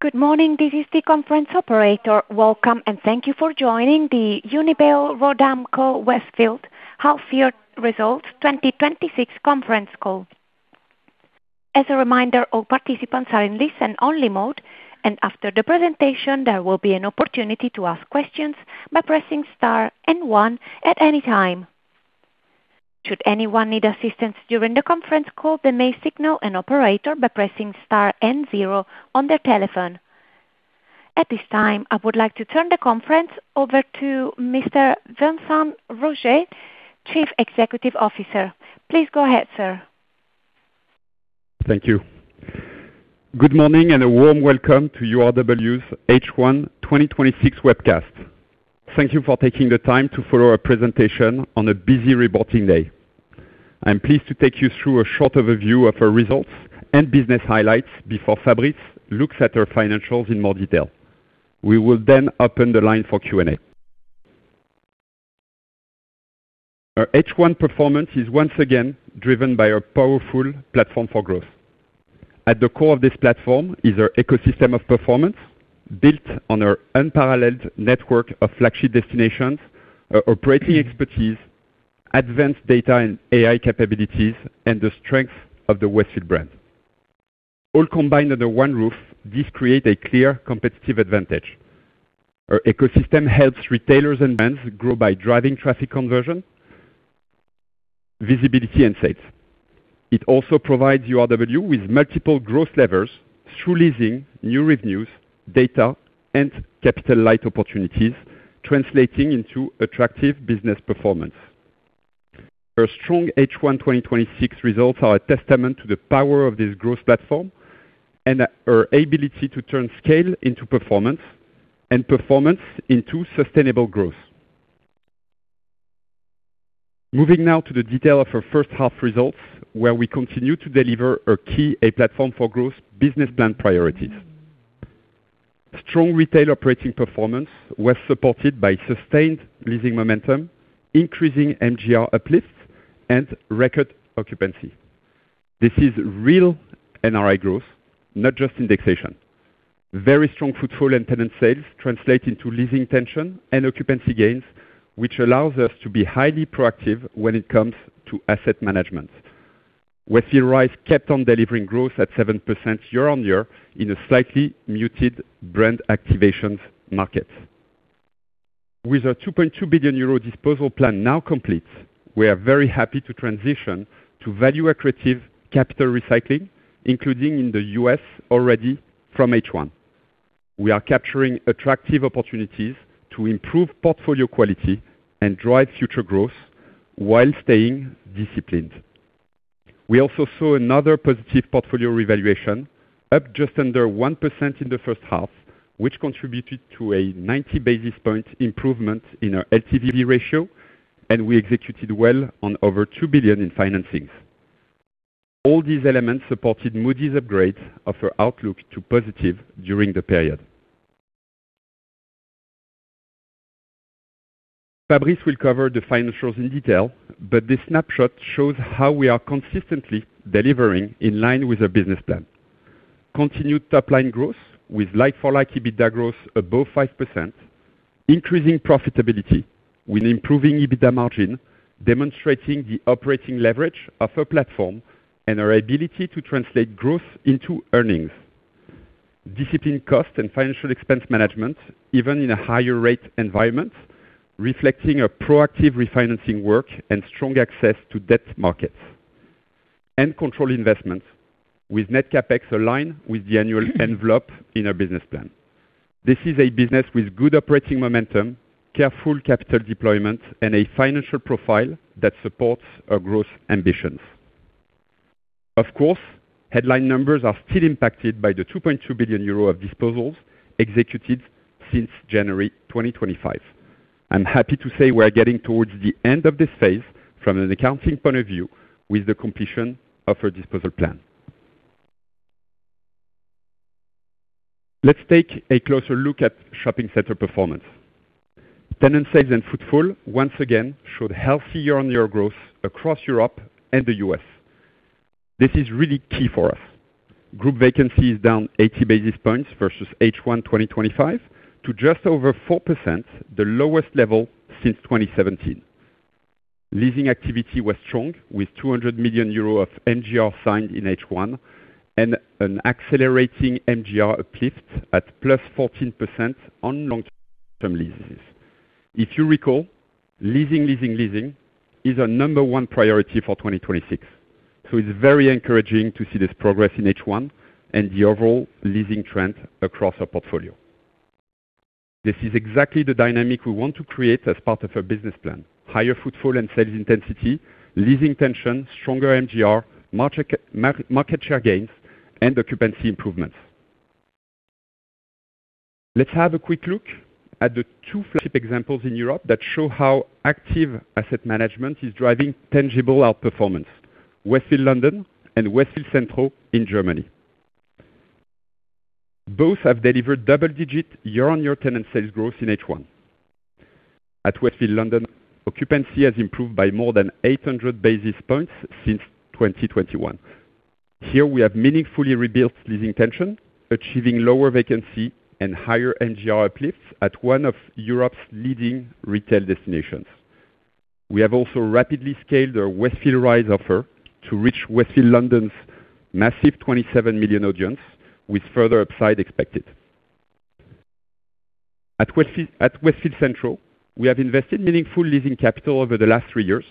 Good morning. This is the conference operator. Welcome. Thank you for joining the Unibail-Rodamco-Westfield Half Year Results 2026 Conference Call. As a reminder, all participants are in listen only mode. After the presentation, there will be an opportunity to ask questions by pressing star and one at any time. Should anyone need assistance during the conference call, they may signal an operator by pressing star and zero on their telephone. At this time, I would like to turn the conference over to Mr. Vincent Rouget, Chief Executive Officer. Please go ahead, sir. Thank you. Good morning. A warm welcome to URW's H1 2026 webcast. Thank you for taking the time to follow our presentation on a busy reporting day. I'm pleased to take you through a short overview of our results and business highlights before Fabrice looks at our financials in more detail. We will open the line for Q&A. Our H1 performance is once again driven by a powerful Platform for Growth. At the core of this platform is our ecosystem of performance, built on our unparalleled network of flagship destinations, our operating expertise, advanced data and AI capabilities, and the strength of the Westfield brand. All combined under one roof, this create a clear competitive advantage. Our ecosystem helps retailers and brands grow by driving traffic conversion, visibility, and sales. It also provides URW with multiple growth levers through leasing, new revenues, data, and capital light opportunities, translating into attractive business performance. Our strong H1 2026 results are a testament to the power of this growth Platform and our ability to turn scale into performance and performance into sustainable growth. Moving now to the detail of our first half results, where we continue to deliver our key Platform for Growth business plan priorities. Strong retail operating performance was supported by sustained leasing momentum, increasing MGR uplifts, and record occupancy. This is real NRI growth, not just indexation. Very strong footfall and tenant sales translate into leasing tension and occupancy gains, which allows us to be highly proactive when it comes to asset management. Westfield Rise kept on delivering growth at 7% year-on-year in a slightly muted brand activations market. With our 2.2 billion euro disposal plan now complete, we are very happy to transition to value accretive capital recycling, including in the U.S. already from H1. We are capturing attractive opportunities to improve portfolio quality and drive future growth while staying disciplined. We also saw another positive portfolio revaluation, up just under 1% in the first half, which contributed to a 90 basis point improvement in our LTV ratio. We executed well on over 2 billion in financings. All these elements supported Moody's upgrade of our outlook to positive during the period. Fabrice will cover the financials in detail. This snapshot shows how we are consistently delivering in line with our business plan. Continued top-line growth with like-for-like EBITDA growth above 5%. Increasing profitability with improving EBITDA margin, demonstrating the operating leverage of our platform and our ability to translate growth into earnings. Disciplined cost and financial expense management, even in a higher rate environment, reflecting a proactive refinancing work and strong access to debt markets. Controlled investments with net CapEx aligned with the annual envelope in our business plan. This is a business with good operating momentum, careful capital deployment, and a financial profile that supports our growth ambitions. Of course, headline numbers are still impacted by the 2.2 billion euro of disposals executed since January 2025. I'm happy to say we are getting towards the end of this phase from an accounting point of view with the completion of our disposal plan. Let's take a closer look at shopping center performance. Tenant sales and footfall once again showed healthy year-over-year growth across Europe and the U.S. This is really key for us. Group vacancy is down 80 basis points versus H1 2025 to just over 4%, the lowest level since 2017. Leasing activity was strong with 200 million euros of MGR signed in H1 and an accelerating MGR uplift at +14% on long-term leases. If you recall, leasing, leasing is our number one priority for 2026. It's very encouraging to see this progress in H1 and the overall leasing trend across our portfolio. This is exactly the dynamic we want to create as part of our business plan. Higher footfall and sales intensity, leasing tension, stronger MGR, market share gains, and occupancy improvements. Let's have a quick look at the two flagship examples in Europe that show how active asset management is driving tangible outperformance. Westfield London and Westfield Centro in Germany. Both have delivered double-digit year-over-year tenant sales growth in H1. At Westfield London, occupancy has improved by more than 800 basis points since 2021. Here we have meaningfully rebuilt leasing tension, achieving lower vacancy and higher MGR uplifts at one of Europe's leading retail destinations. We have also rapidly scaled our Westfield Rise offer to reach Westfield London's massive 27 million audience, with further upside expected. At Westfield Centro, we have invested meaningful leasing capital over the last three years,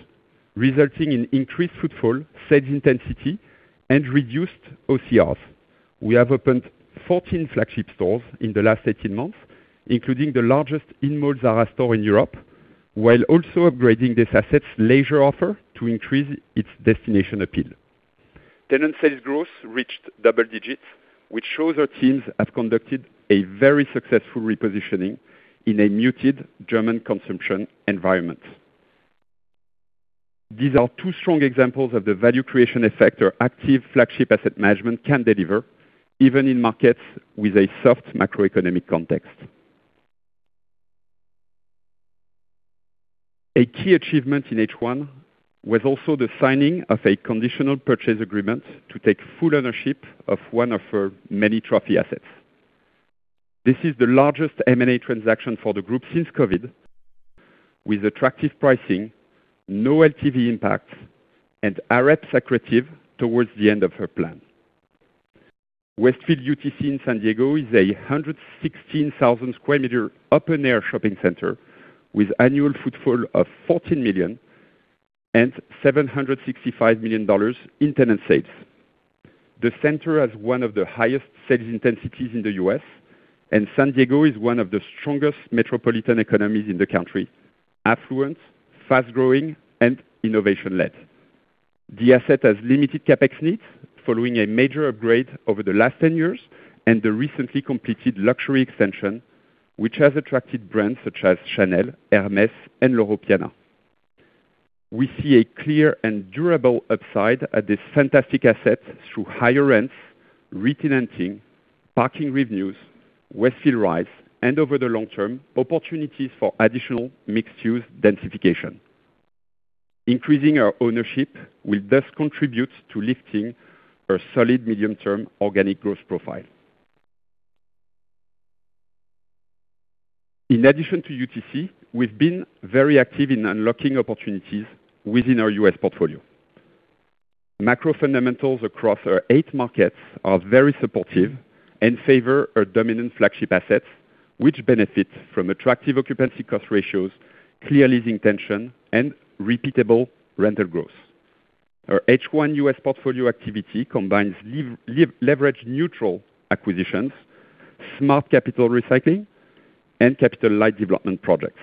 resulting in increased footfall, sales intensity, and reduced OCRs. We have opened 14 flagship stores in the last 18 months, including the largest in-mall Zara store in Europe, while also upgrading this asset's leisure offer to increase its destination appeal. Tenant sales growth reached double digits, which shows our teams have conducted a very successful repositioning in a muted German consumption environment. These are two strong examples of the value creation effect our active flagship asset management can deliver, even in markets with a soft macroeconomic context. A key achievement in H1 was also the signing of a conditional purchase agreement to take full ownership of one of our many trophy assets. This is the largest M&A transaction for the group since COVID, with attractive pricing, no LTV impact, and AREPs accretive towards the end of our plan. Westfield UTC in San Diego is a 116,000 sq m open-air shopping center with annual footfall of 14 million and EUR 765 million in tenant sales. The center has one of the highest sales intensities in the U.S., and San Diego is one of the strongest metropolitan economies in the country, affluent, fast-growing, and innovation-led. The asset has limited CapEx needs following a major upgrade over the last 10 years and the recently completed luxury extension, which has attracted brands such as Chanel, Hermès, and Loro Piana. We see a clear and durable upside at this fantastic asset through higher rents, re-tenanting, parking revenues, Westfield Rise, and over the long term, opportunities for additional mixed-use densification. Increasing our ownership will thus contribute to lifting our solid medium-term organic growth profile. In addition to UTC, we've been very active in unlocking opportunities within our U.S. portfolio. Macro fundamentals across our eight markets are very supportive and favor our dominant flagship assets, which benefit from attractive occupancy cost ratios, clear leasing tension, and repeatable rental growth. Our H1 U.S. portfolio activity combines leverage neutral acquisitions, smart capital recycling, and capital light development projects.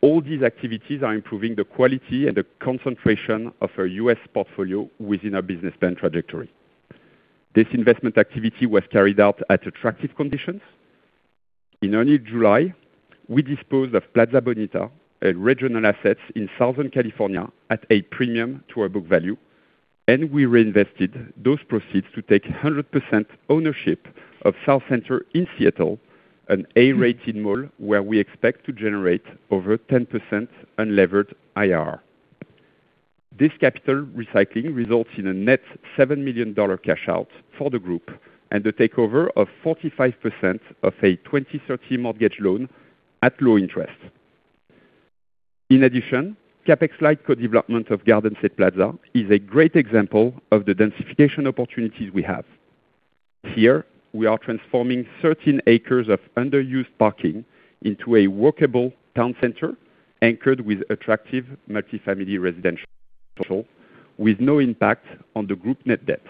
All these activities are improving the quality and the concentration of our U.S. portfolio within our business plan trajectory. This investment activity was carried out at attractive conditions. In early July, we disposed of Plaza Bonita, a regional asset in Southern California, at a premium to our book value, and we reinvested those proceeds to take 100% ownership of Southcenter in Seattle, an A-rated mall where we expect to generate over 10% unlevered IRR. This capital recycling results in a net $7 million cash-out for the group and the takeover of 45% of a 2030 mortgage loan at low interest. In addition, CapEx light co-development of Garden State Plaza is a great example of the densification opportunities we have. Here, we are transforming 13 acres of underused parking into a walkable town center anchored with attractive multi-family residential, with no impact on the group net debt.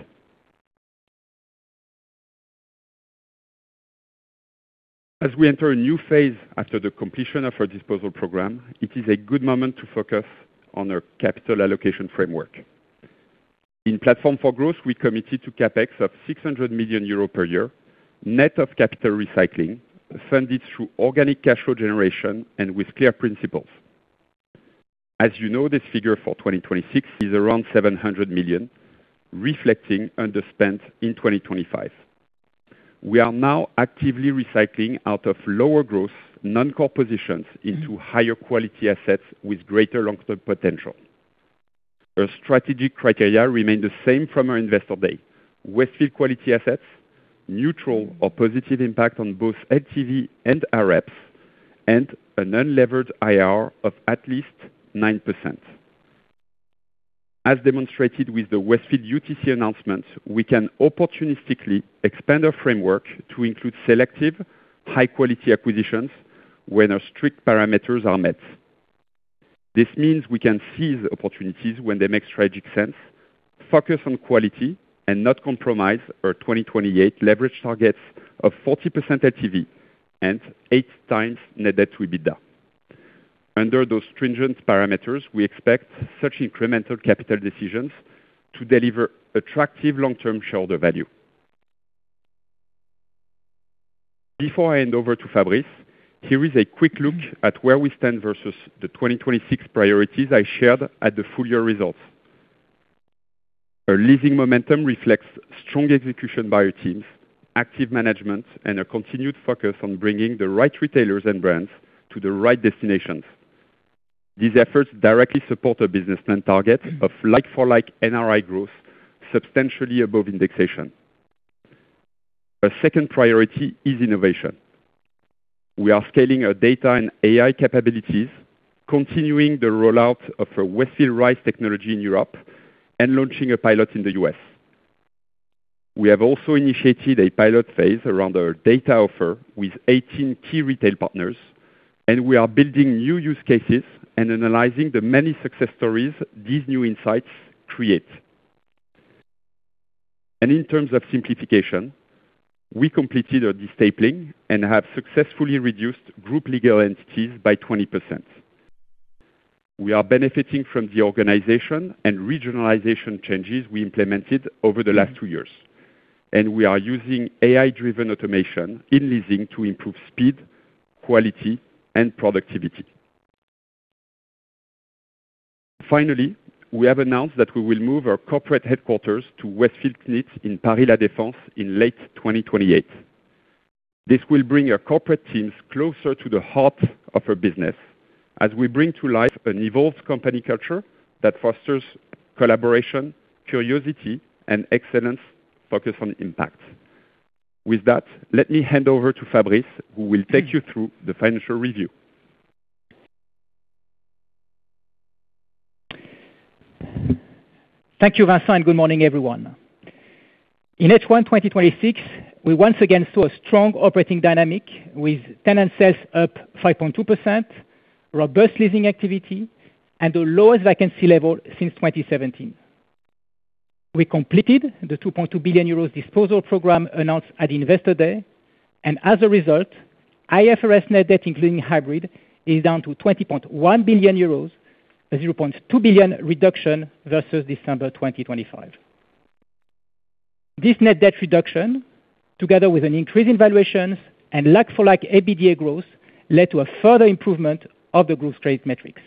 As we enter a new phase after the completion of our disposal program, it is a good moment to focus on our capital allocation framework. In Platform for Growth, we committed to CapEx of 600 million euros per year, net of capital recycling, funded through organic cash flow generation and with clear principles. As you know, this figure for 2026 is around 700 million, reflecting underspend in 2025. We are now actively recycling out of lower growth non-core positions into higher quality assets with greater long-term potential. Our strategic criteria remain the same from our Investor Day: Westfield quality assets, neutral or positive impact on both LTV and AREPs, and an unlevered IRR of at least 9%. As demonstrated with the Westfield UTC announcement, we can opportunistically expand our framework to include selective high-quality acquisitions when our strict parameters are met. This means we can seize opportunities when they make strategic sense, focus on quality, and not compromise our 2028 leverage targets of 40% LTV and 8x net debt to EBITDA. Before I hand over to Fabrice, here is a quick look at where we stand versus the 2026 priorities I shared at the full year results. Our leasing momentum reflects strong execution by our teams, active management, and a continued focus on bringing the right retailers and brands to the right destinations. These efforts directly support a business plan target of like-for-like NRI growth substantially above indexation. Our second priority is innovation. We are scaling our data and AI capabilities, continuing the rollout of our Westfield Rise technology in Europe and launching a pilot in the U.S. We have also initiated a pilot phase around our data offer with 18 key retail partners, and we are building new use cases and analyzing the many success stories these new insights create. In terms of simplification, we completed our de-stapling and have successfully reduced group legal entities by 20%. We are benefiting from the organization and regionalization changes we implemented over the last two years, and we are using AI-driven automation in leasing to improve speed, quality, and productivity. Finally, we have announced that we will move our corporate headquarters to Westfield CNIT in Paris La Défense in late 2028. This will bring our corporate teams closer to the heart of our business as we bring to life an evolved company culture that fosters collaboration, curiosity, and excellence focused on impact. With that, let me hand over to Fabrice, who will take you through the financial review. Thank you, Vincent, and good morning, everyone. In H1 2026, we once again saw a strong operating dynamic with tenant sales up 5.2%, robust leasing activity, and the lowest vacancy level since 2017. We completed the 2.2 billion euros disposal program announced at Investor Day, and as a result, IFRS net debt, including hybrid, is down to 20.1 billion euros, a 0.2 billion reduction versus December 2025. This net debt reduction, together with an increase in valuations and like-for-like EBITDA growth, led to a further improvement of the group's trade metrics.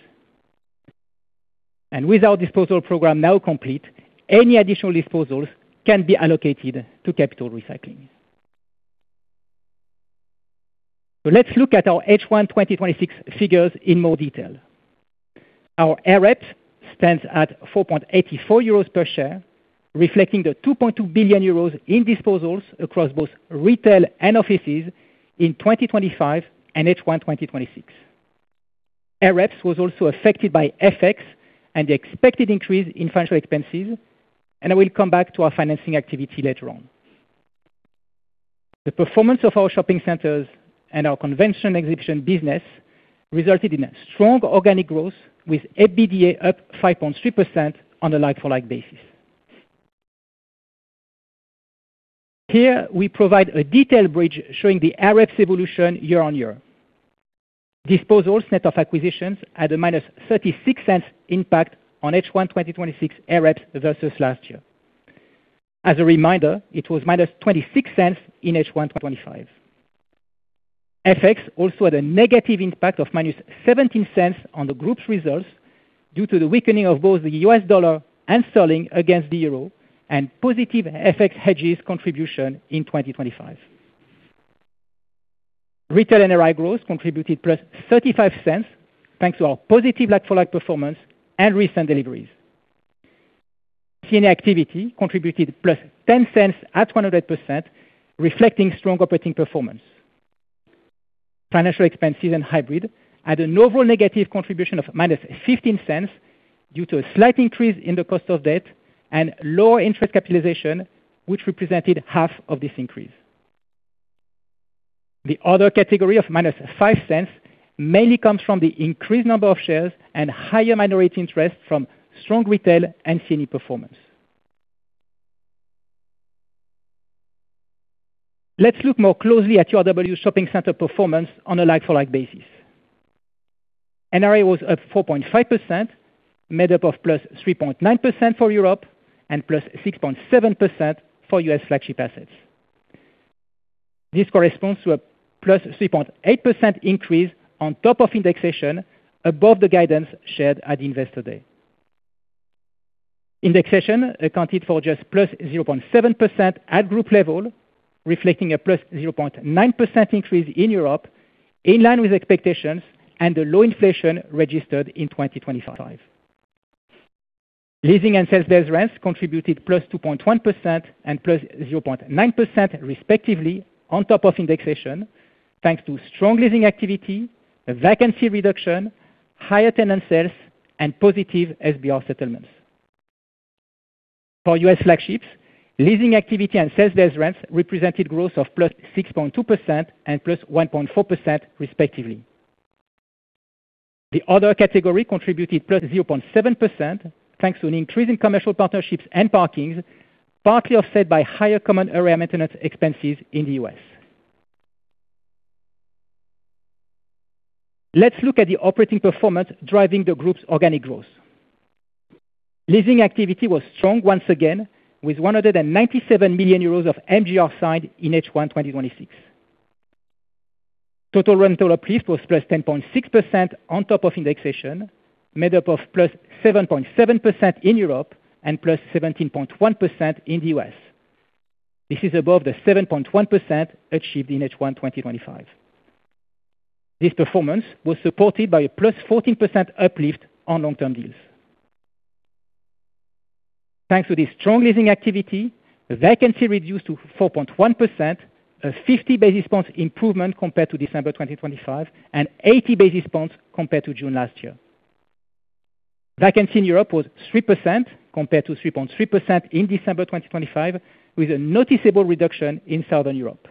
With our disposal program now complete, any additional disposals can be allocated to capital recycling. Let's look at our H1 2026 figures in more detail. Our AREPS stands at 4.84 euros per share, reflecting the 2.2 billion euros in disposals across both retail and offices in 2025 and H1 2026. AREPS was also affected by FX and the expected increase in financial expenses, and I will come back to our financing activity later on. The performance of our shopping centers and our convention exhibition business resulted in a strong organic growth with EBITDA up 5.3% on a like-for-like basis. Here we provide a detailed bridge showing the AREPS evolution year on year. Disposals net of acquisitions had a -0.36 impact on H1 2026 AREPS versus last year. As a reminder, it was -0.26 in H1 2025. FX also had a negative impact of -0.17 on the group's results due to the weakening of both the U.S. dollar and sterling against the euro and positive FX hedges contribution in 2025. Retail NRI growth contributed plus 0.35, thanks to our positive like-for-like performance and recent deliveries. C&E activity contributed +0.10 at 100%, reflecting strong operating performance. Financial expenses and hybrid had a novel negative contribution of -0.15 due to a slight increase in the cost of debt and lower interest capitalization, which represented half of this increase. The other category of -0.05 mainly comes from the increased number of shares and higher minority interest from strong retail and C&E performance. Let's look more closely at URW Shopping Center performance on a like-for-like basis. NRI was up 4.5%, made up of +3.9% for Europe and +6.7% for U.S. flagship assets. This corresponds to a +3.8% increase on top of indexation above the guidance shared at Investor Day. Indexation accounted for just +0.7% at group level, reflecting a +0.9% increase in Europe, in line with expectations and a low inflation registered in 2025. Leasing and sales-based rents contributed +2.1% and +0.9% respectively on top of indexation, thanks to strong leasing activity, a vacancy reduction, higher tenant sales, and positive SBR settlements. For U.S. flagships, leasing activity and sales-based rents represented growth of +6.2% and +1.4% respectively. The other category contributed +0.7%, thanks to an increase in commercial partnerships and parkings, partly offset by higher common area maintenance expenses in the U.S. Let's look at the operating performance driving the group's organic growth. Leasing activity was strong once again with 197 million euros of MGR signed in H1 2026. Total rental uplift was +10.6% on top of indexation, made up of +7.7% in Europe and +17.1% in the U.S. This is above the 7.1% achieved in H1 2025. This performance was supported by a +14% uplift on long-term deals. Thanks to this strong leasing activity, the vacancy reduced to 4.1%, 50 basis points improvement compared to December 2025 and 80 basis points compared to June last year. Vacancy in Europe was 3% compared to 3.3% in December 2025, with a noticeable reduction in Southern Europe.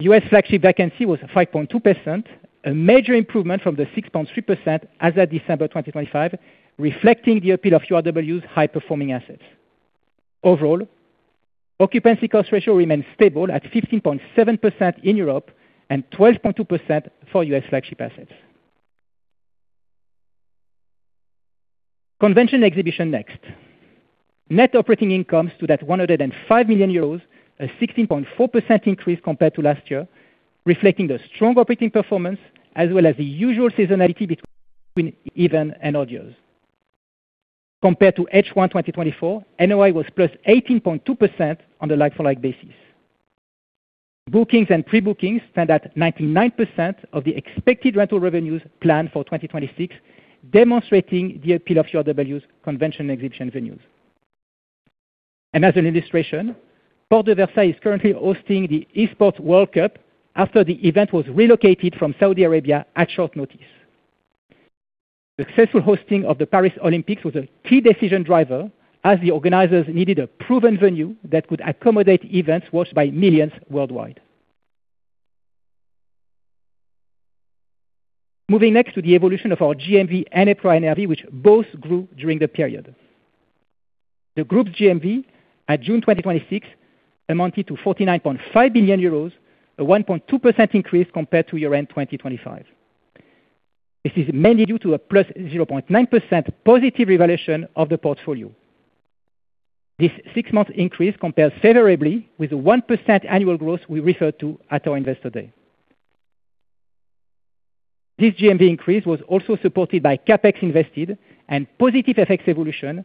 U.S. flagship vacancy was 5.2%, a major improvement from the 6.3% as at December 2025, reflecting the appeal of URW's high-performing assets. Overall, occupancy cost ratio remains stable at 15.7% in Europe and 12.2% for U.S. flagship assets. Convention exhibition next. Net operating income stood at 105 million euros, a 16.4% increase compared to last year, reflecting the strong operating performance as well as the usual seasonality between even and odd years. Compared to H1 2024, NOI was +18.2% on the like-for-like basis. Bookings and pre-bookings stand at 99% of the expected rental revenues planned for 2026, demonstrating the appeal of URW's convention exhibition venues. As an illustration, Porte de Versailles is currently hosting the Esports World Cup after the event was relocated from Saudi Arabia at short notice. The successful hosting of the Paris Olympics was a key decision driver as the organizers needed a proven venue that could accommodate events watched by millions worldwide. Moving next to the evolution of our GMV and EPRA NAV, which both grew during the period. The group GMV at June 2026 amounted to 49.5 billion euros, a 1.2% increase compared to year-end 2025. This is mainly due to a +0.9% positive revaluation of the portfolio. This six-month increase compares favorably with the 1% annual growth we referred to at our Investor Day. This GMV increase was also supported by CapEx invested and positive FX evolution,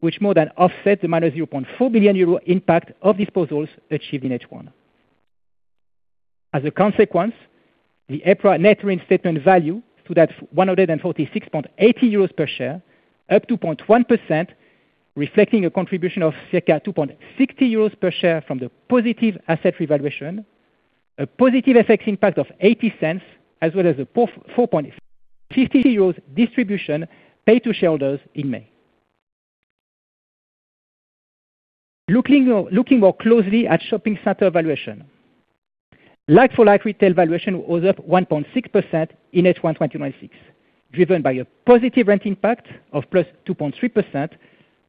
which more than offset the -0.4 billion euro impact of disposals achieved in H1. As a consequence, the EPRA net reinstatement value stood at 146.80 euros per share, up 2.1%, reflecting a contribution of circa 2.60 euros per share from the positive asset revaluation, a positive FX impact of 0.80, as well as a 4.50 euros distribution paid to shareholders in May. Looking more closely at shopping center valuation. Like-for-like retail valuation was up 1.6% in H1 2026, driven by a positive rent impact of +2.3%,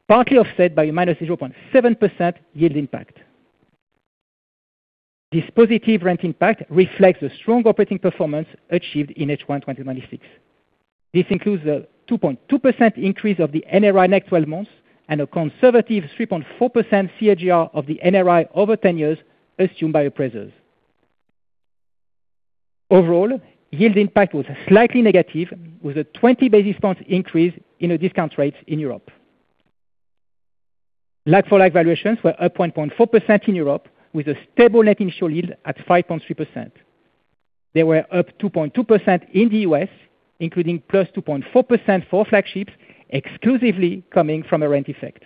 partly offset by a -0.7% yield impact. This positive rent impact reflects the strong operating performance achieved in H1 2026. This includes a 2.2% increase of the NRI next 12 months and a conservative 3.4% CAGR of the NRI over 10 years assumed by appraisers. Overall, yield impact was slightly negative with a 20 basis point increase in the discount rates in Europe. Like-for-like valuations were up 1.4% in Europe with a stable net initial yield at 5.3%. They were up 2.2% in the U.S., including +2.4% for flagships exclusively coming from a rent effect.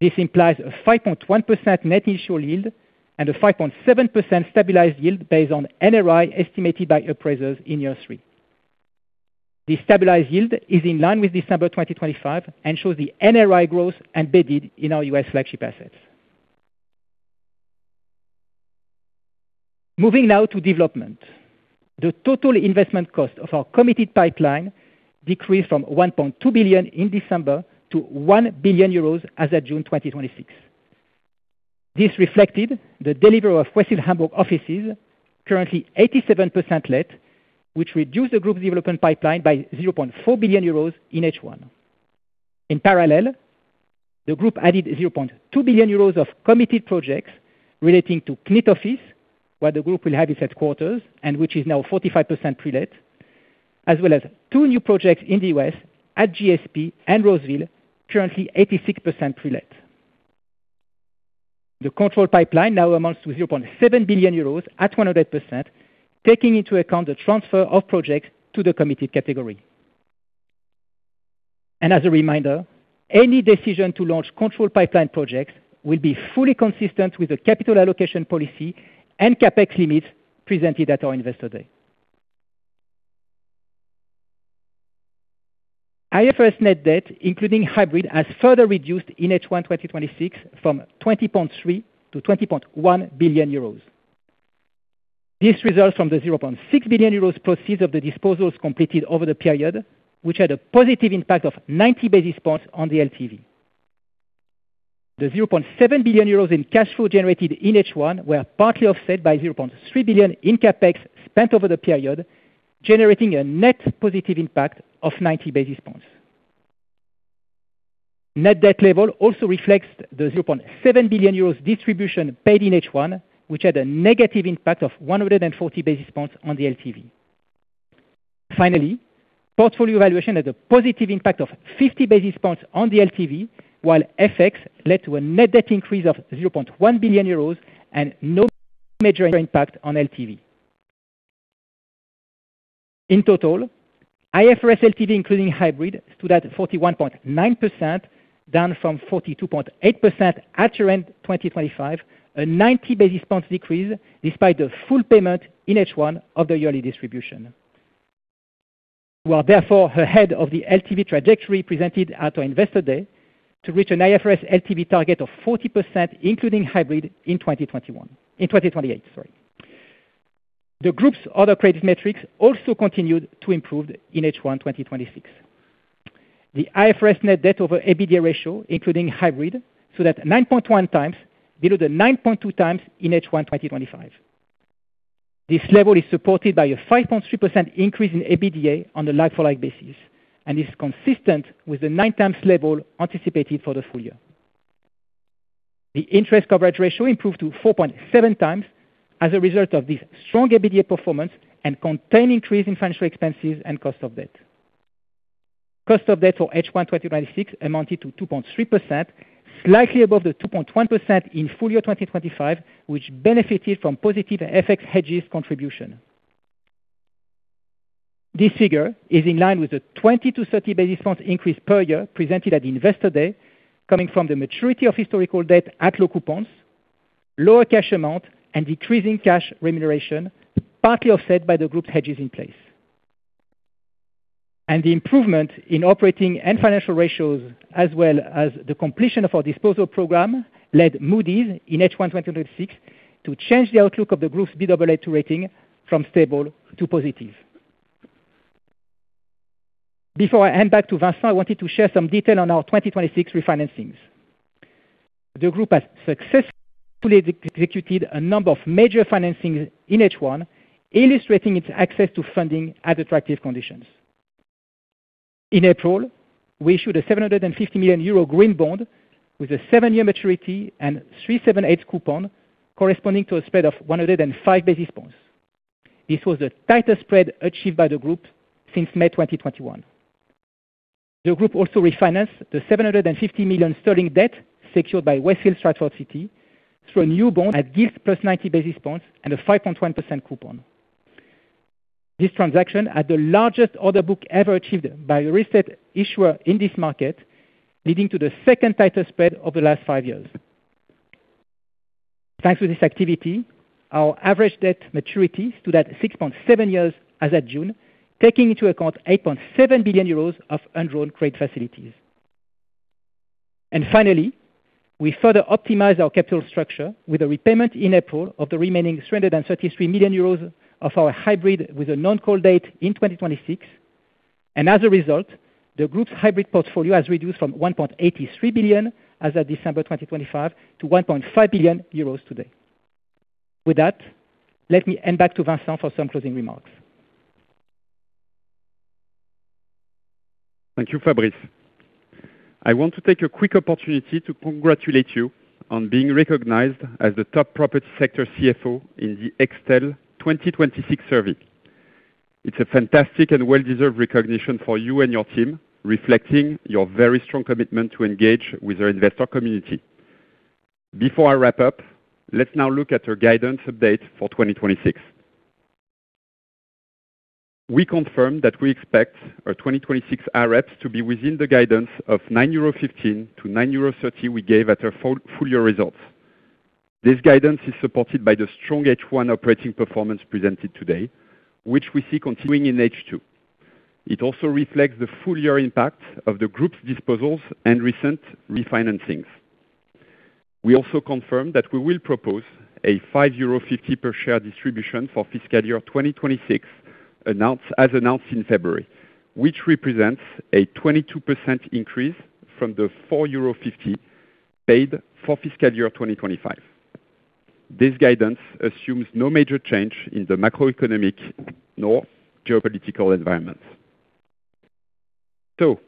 This implies a 5.1% net initial yield and a 5.7% stabilized yield based on NRI estimated by appraisers in year three. The stabilized yield is in line with December 2025 and shows the NRI growth embedded in our U.S. flagship assets. Moving now to development. The total investment cost of our committed pipeline decreased from 1.2 billion in December to 1 billion euros as of June 2026. This reflected the delivery of Westfield Hamburg offices, currently 87% let, which reduced the group development pipeline by 0.4 billion euros in H1. In parallel, the group added 0.2 billion euros of committed projects relating to CNIT Office, where the group will have its headquarters and which is now 45% pre-let, as well as two new projects in the U.S. at GSP and Roseville, currently 86% pre-let. The control pipeline now amounts to 0.7 billion euros at 100%, taking into account the transfer of projects to the committed category. As a reminder, any decision to launch control pipeline projects will be fully consistent with the capital allocation policy and CapEx limits presented at our Investor Day. IFRS net debt, including hybrid, has further reduced in H1 2026 from 20.3 billion to 20.1 billion euros. This results from the 0.6 billion euros proceeds of the disposals completed over the period, which had a positive impact of 90 basis points on the LTV. The 0.7 billion euros in cash flow generated in H1 were partly offset by 0.3 billion in CapEx spent over the period, generating a net positive impact of 90 basis points. Net debt level also reflects the 0.7 billion euros distribution paid in H1, which had a negative impact of 140 basis points on the LTV. Finally, portfolio valuation had a positive impact of 50 basis points on the LTV, while FX led to a net debt increase of 0.1 billion euros and no major impact on LTV. In total, IFRS LTV, including hybrid, stood at 41.9%, down from 42.8% at year-end 2025, a 90 basis points decrease despite the full payment in H1 of the yearly distribution. We are therefore ahead of the LTV trajectory presented at our Investor Day to reach an IFRS LTV target of 40%, including hybrid in 2028. The group's other credit metrics also continued to improve in H1 2026. The IFRS net debt over EBITDA ratio, including hybrid, stood at 9.1x below the 9.2x in H1 2025. This level is supported by a 5.3% increase in EBITDA on a like-for-like basis and is consistent with the 9x level anticipated for the full year. The interest coverage ratio improved to 4.7x as a result of this strong EBITDA performance and contained increase in financial expenses and cost of debt. Cost of debt for H1 2026 amounted to 2.3%, slightly above the 2.1% in full year 2025, which benefited from positive FX hedges contribution. This figure is in line with the 20-30 basis points increase per year presented at Investor Day, coming from the maturity of historical debt at low coupons, lower cash amount, and decreasing cash remuneration, partly offset by the group hedges in place. The improvement in operating and financial ratios as well as the completion of our disposal program led Moody's in H1 2026 to change the outlook of the group's Baa2 rating from stable to positive. Before I hand back to Vincent, I wanted to share some detail on our 2026 refinancings. The group has successfully executed a number of major financings in H1, illustrating its access to funding at attractive conditions. In April, we issued a 750 million euro green bond with a seven-year maturity and 3.78% coupon corresponding to a spread of 105 basis points. This was the tighter spread achieved by the group since May 2021. The group also refinanced the 750 million sterling debt secured by Westfield Stratford City through a new bond at yield plus 90 basis points and a 5.1% coupon. This transaction had the largest order book ever achieved by a risk debt issuer in this market, leading to the second tighter spread over the last five years. Thanks to this activity, our average debt maturity stood at 6.7 years as at June, taking into account 8.7 billion euros of undrawn credit facilities. Finally, we further optimized our capital structure with a repayment in April of the remaining 333 million euros of our hybrid with a non-call date in 2026. As a result, the group's hybrid portfolio has reduced from 1.83 billion as at December 2025 to 1.5 billion euros today. With that, let me hand back to Vincent for some closing remarks. Thank you, Fabrice. I want to take a quick opportunity to congratulate you on being recognized as the top property sector CFO in the Extel 2026 survey. It's a fantastic and well-deserved recognition for you and your team, reflecting your very strong commitment to engage with our investor community. Before I wrap up, let's now look at our guidance update for 2026. We confirm that we expect our 2026 AREPS to be within the guidance of 9.15 euro to 9.30 euro we gave at our full-year results. This guidance is supported by the strong H1 operating performance presented today, which we see continuing in H2. It also reflects the full-year impact of the group's disposals and recent refinancings. We also confirm that we will propose a 5.50 euro per share distribution for fiscal year 2026, as announced in February, which represents a 22% increase from the 4.50 euro paid for fiscal year 2025. This guidance assumes no major change in the macroeconomic nor geopolitical environment. To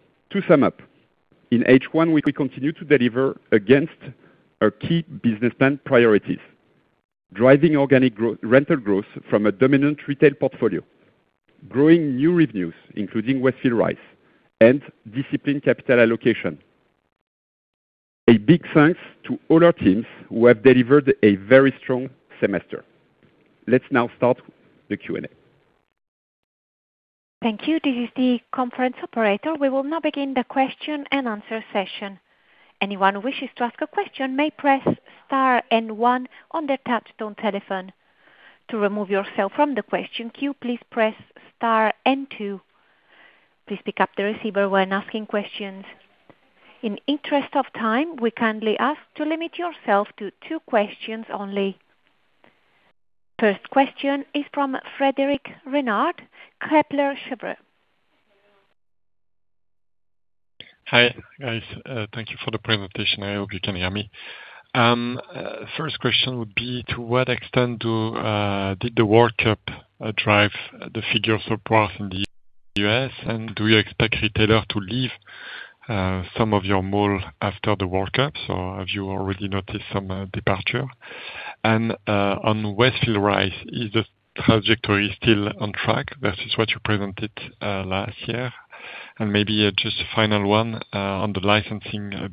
sum up, in H1, we continue to deliver against our key business plan priorities, driving organic rental growth from a dominant retail portfolio, growing new revenues, including Westfield Rise, and disciplined capital allocation. A big thanks to all our teams who have delivered a very strong semester. Let's now start the Q&A. Thank you. This is the conference operator. We will now begin the question-and-answer session. Anyone who wishes to ask a question may press star and one on their touch-tone telephone. To remove yourself from the question queue, please press star and two. Please pick up the receiver when asking questions. In interest of time, we kindly ask to limit yourself to two questions only. First question is from Frederic Renard, Kepler Cheuvreux. Hi, guys. Thank you for the presentation. I hope you can hear me. First question would be, to what extent did the World Cup drive the figure support in the U.S., and do you expect retailers to leave some of your malls after the World Cup? Have you already noticed some departure? On Westfield Rise, is the trajectory still on track versus what you presented last year? Maybe just a final one on the licensing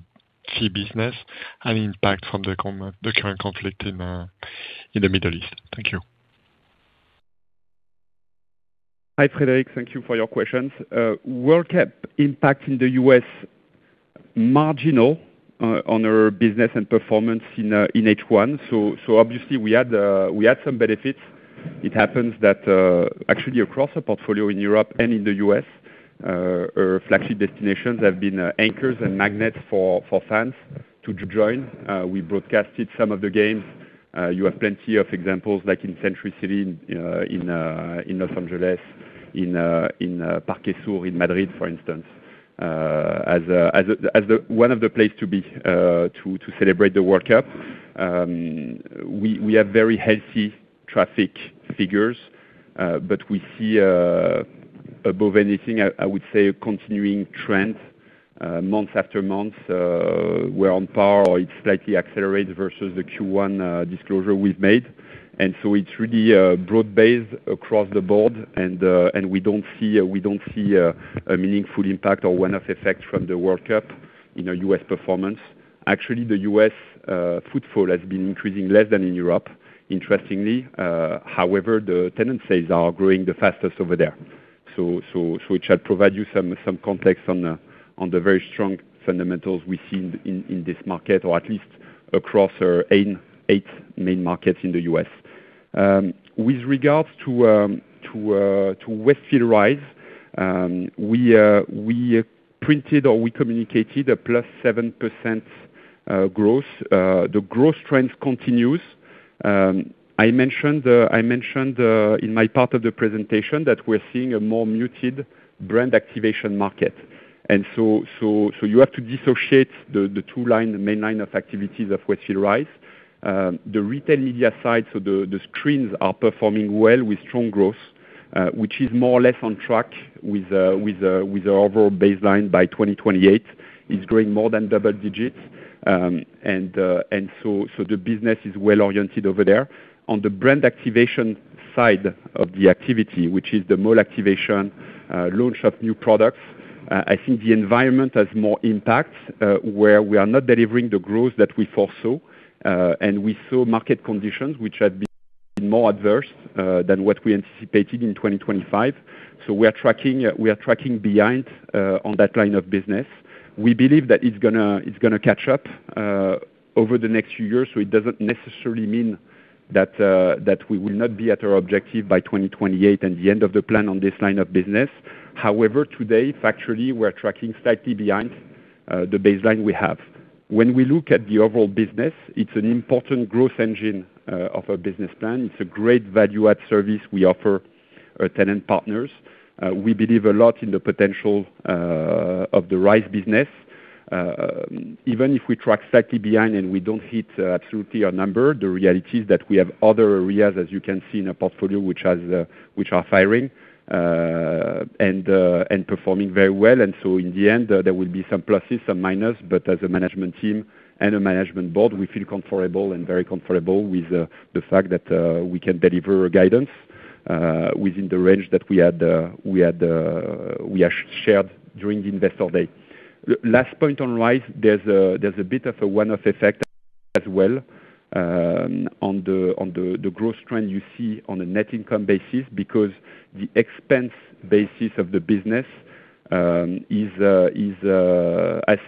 fee business and impact from the current conflict in the Middle East. Thank you. Hi, Frederic. Thank you for your questions. World Cup impact in the U.S., marginal on our business and performance in H1. Obviously we had some benefits. It happens that actually across our portfolio in Europe and in the U.S., our flagship destinations have been anchors and magnets for fans to join. We broadcasted some of the games. You have plenty of examples, like in Century City, in Los Angeles, in Parque Sur, in Madrid, for instance, as one of the places to celebrate the World Cup. We have very healthy traffic figures, but we see, above anything, I would say, a continuing trend, month after month. We're on par, or it slightly accelerates versus the Q1 disclosure we've made. It's really broad-based across the board, and we don't see a meaningful impact or one-off effect from the World Cup in our U.S. performance. The U.S. footfall has been increasing less than in Europe, interestingly. The tenant sales are growing the fastest over there. Which I'll provide you some context on the very strong fundamentals we see in this market, or at least across our eight main markets in the U.S. With regards to Westfield Rise, we printed, or we communicated, a +7% growth. The growth trend continues. I mentioned in my part of the presentation that we're seeing a more muted brand activation market. You have to dissociate the two lines, the main line of activities of Westfield Rise. The retail media side, so the screens, are performing well with strong growth, which is more or less on track with the overall baseline by 2028. It's growing more than double digits. The business is well-oriented over there. On the brand activation side of the activity, which is the mall activation, launch of new products, I think the environment has more impact, where we are not delivering the growth that we foresaw. We saw market conditions which have been more adverse than what we anticipated in 2025. We are tracking behind on that line of business. We believe that it's going to catch up over the next few years, so it doesn't necessarily mean that we will not be at our objective by 2028 and the end of the plan on this line of business. Today, factually, we're tracking slightly behind the baseline we have. When we look at the overall business, it's an important growth engine of our business plan. It's a great value-add service we offer our tenant partners. We believe a lot in the potential of the Rise business. Even if we track slightly behind and we don't hit absolutely our number, the reality is that we have other areas, as you can see in our portfolio, which are firing and performing very well. In the end, there will be some pluses, some minuses, but as a management team and a management board, we feel comfortable and very comfortable with the fact that we can deliver guidance within the range that we had shared during the Investor Day. Last point on Rise, there's a bit of a one-off effect as well on the growth trend you see on a net income basis because the expense basis of the business has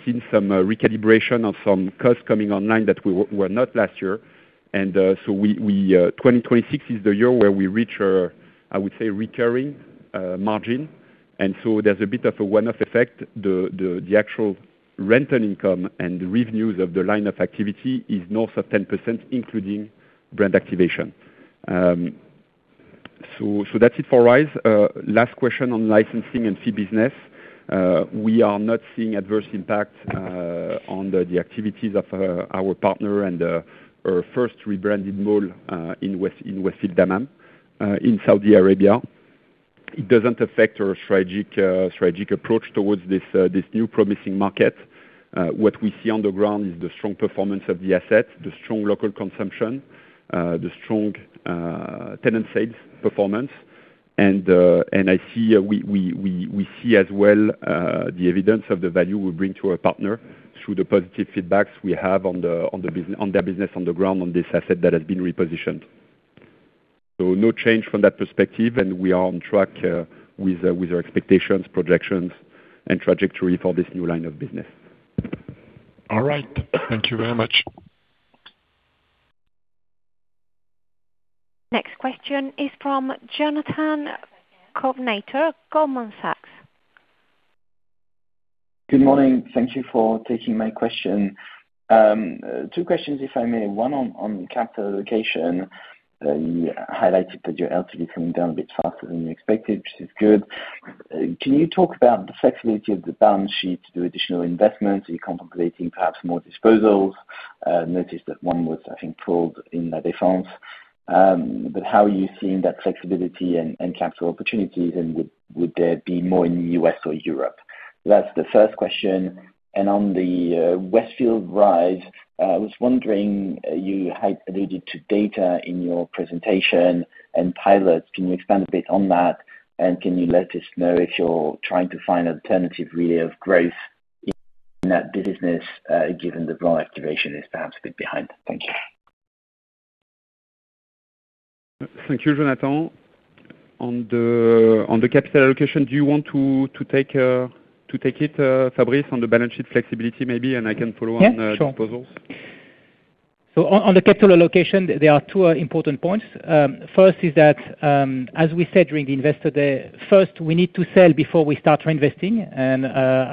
seen some recalibration of some costs coming online that were not last year. 2026 is the year where we reach our, I would say, recurring margin. There's a bit of a one-off effect. The actual rental income and the revenues of the line of activity is north of 10%, including brand activation. That's it for Rise. Last question on licensing and fee business. We are not seeing adverse impact on the activities of our partner and our first rebranded mall in Westfield Dammam, in Saudi Arabia. It doesn't affect our strategic approach towards this new promising market. What we see on the ground is the strong performance of the asset, the strong local consumption, the strong tenant sales performance. We see as well the evidence of the value we bring to our partner through the positive feedbacks we have on their business on the ground on this asset that has been repositioned. No change from that perspective, and we are on track with our expectations, projections, and trajectory for this new line of business. All right. Thank you very much. Next question is from Jonathan Kownator, Goldman Sachs. Good morning. Thank you for taking my question. Two questions, if I may. One on capital allocation. You highlighted that your LTV coming down a bit faster than you expected, which is good. Can you talk about the flexibility of the balance sheet to do additional investments? Are you contemplating perhaps more disposals? I noticed that one was, I think, pulled in La Défense. How are you seeing that flexibility and capital opportunities, and would there be more in the U.S. or Europe? That's the first question. On the Westfield Rise, I was wondering, you had alluded to data in your presentation and pilots. Can you expand a bit on that? Can you let us know if you're trying to find alternative relay of growth in that business, given the brand activation is perhaps a bit behind? Thank you. Thank you, Jonathan. On the capital allocation, do you want to take it, Fabrice, on the balance sheet flexibility, maybe, and I can follow on disposals? Yeah, sure. On the capital allocation, there are two important points. First is that, as we said during the Investor Day, first, we need to sell before we start reinvesting.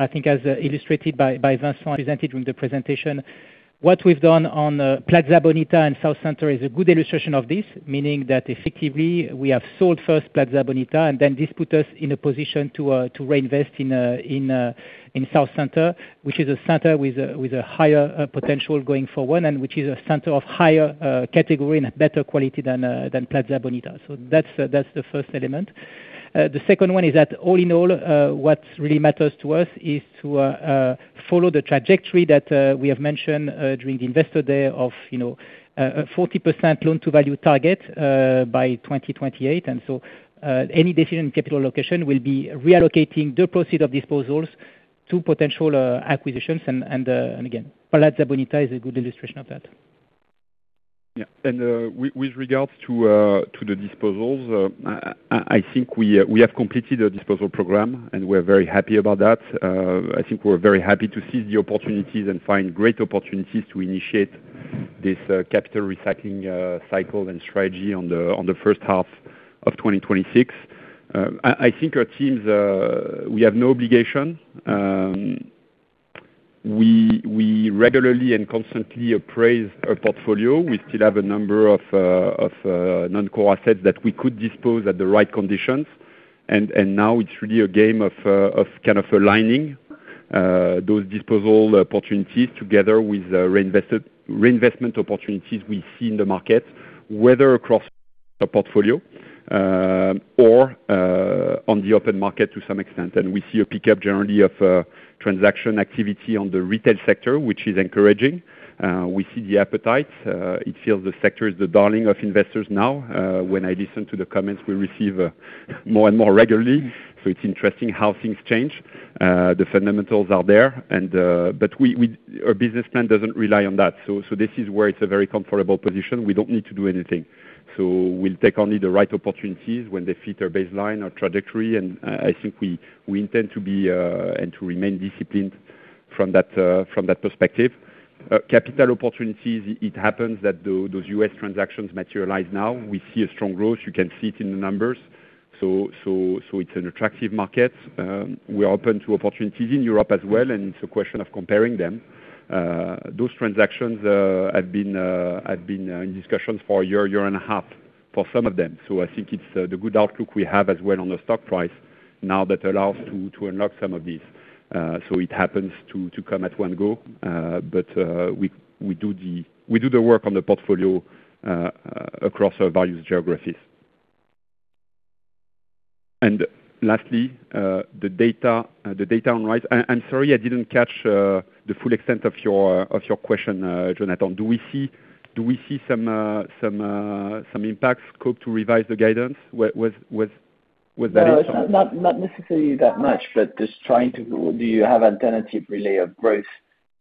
I think as illustrated by Vincent presented during the presentation, what we've done on Plaza Bonita and Southcenter is a good illustration of this, meaning that effectively we have sold first Plaza Bonita, then this put us in a position to reinvest in Southcenter, which is a center with a higher potential going forward, and which is a center of higher category and a better quality than Plaza Bonita. That's the first element. The second one is that all in all, what really matters to us is to follow the trajectory that we have mentioned during the Investor Day of 40% loan to value target by 2028. Any decision in capital allocation will be reallocating the proceed of disposals to potential acquisitions and again, Plaza Bonita is a good illustration of that. Yeah. With regards to the disposals, I think we have completed a disposal program, and we're very happy about that. I think we're very happy to seize the opportunities and find great opportunities to initiate this capital recycling cycle and strategy on the first half of 2026. I think our teams, we have no obligation. We regularly and constantly appraise our portfolio. We still have a number of non-core assets that we could dispose at the right conditions. Now it's really a game of aligning those disposal opportunities together with reinvestment opportunities we see in the market, whether across the portfolio, or on the open market to some extent. We see a pickup generally of transaction activity on the retail sector, which is encouraging. We see the appetite. It feels the sector is the darling of investors now, when I listen to the comments we receive more and more regularly. It's interesting how things change. The fundamentals are there but our business plan doesn't rely on that. This is where it's a very comfortable position. We don't need to do anything. We'll take only the right opportunities when they fit our baseline, our trajectory, and I think we intend to be, and to remain disciplined from that perspective. Capital opportunities, it happens that those U.S. transactions materialize now. We see a strong growth. You can see it in the numbers. It's an attractive market. We are open to opportunities in Europe as well, and it's a question of comparing them. Those transactions have been in discussions for a year and 1.5 year, for some of them. I think it's the good outlook we have as well on the stock price now that allows to unlock some of these. It happens to come at one go, but we do the work on the portfolio across our various geographies. And lastly, the data on Rise. I'm sorry I didn't catch the full extent of your question, Jonathan. Do we see some impacts scope to revise the guidance with that in sight? No, not necessarily that much, but just trying to go, do you have alternative relay of growth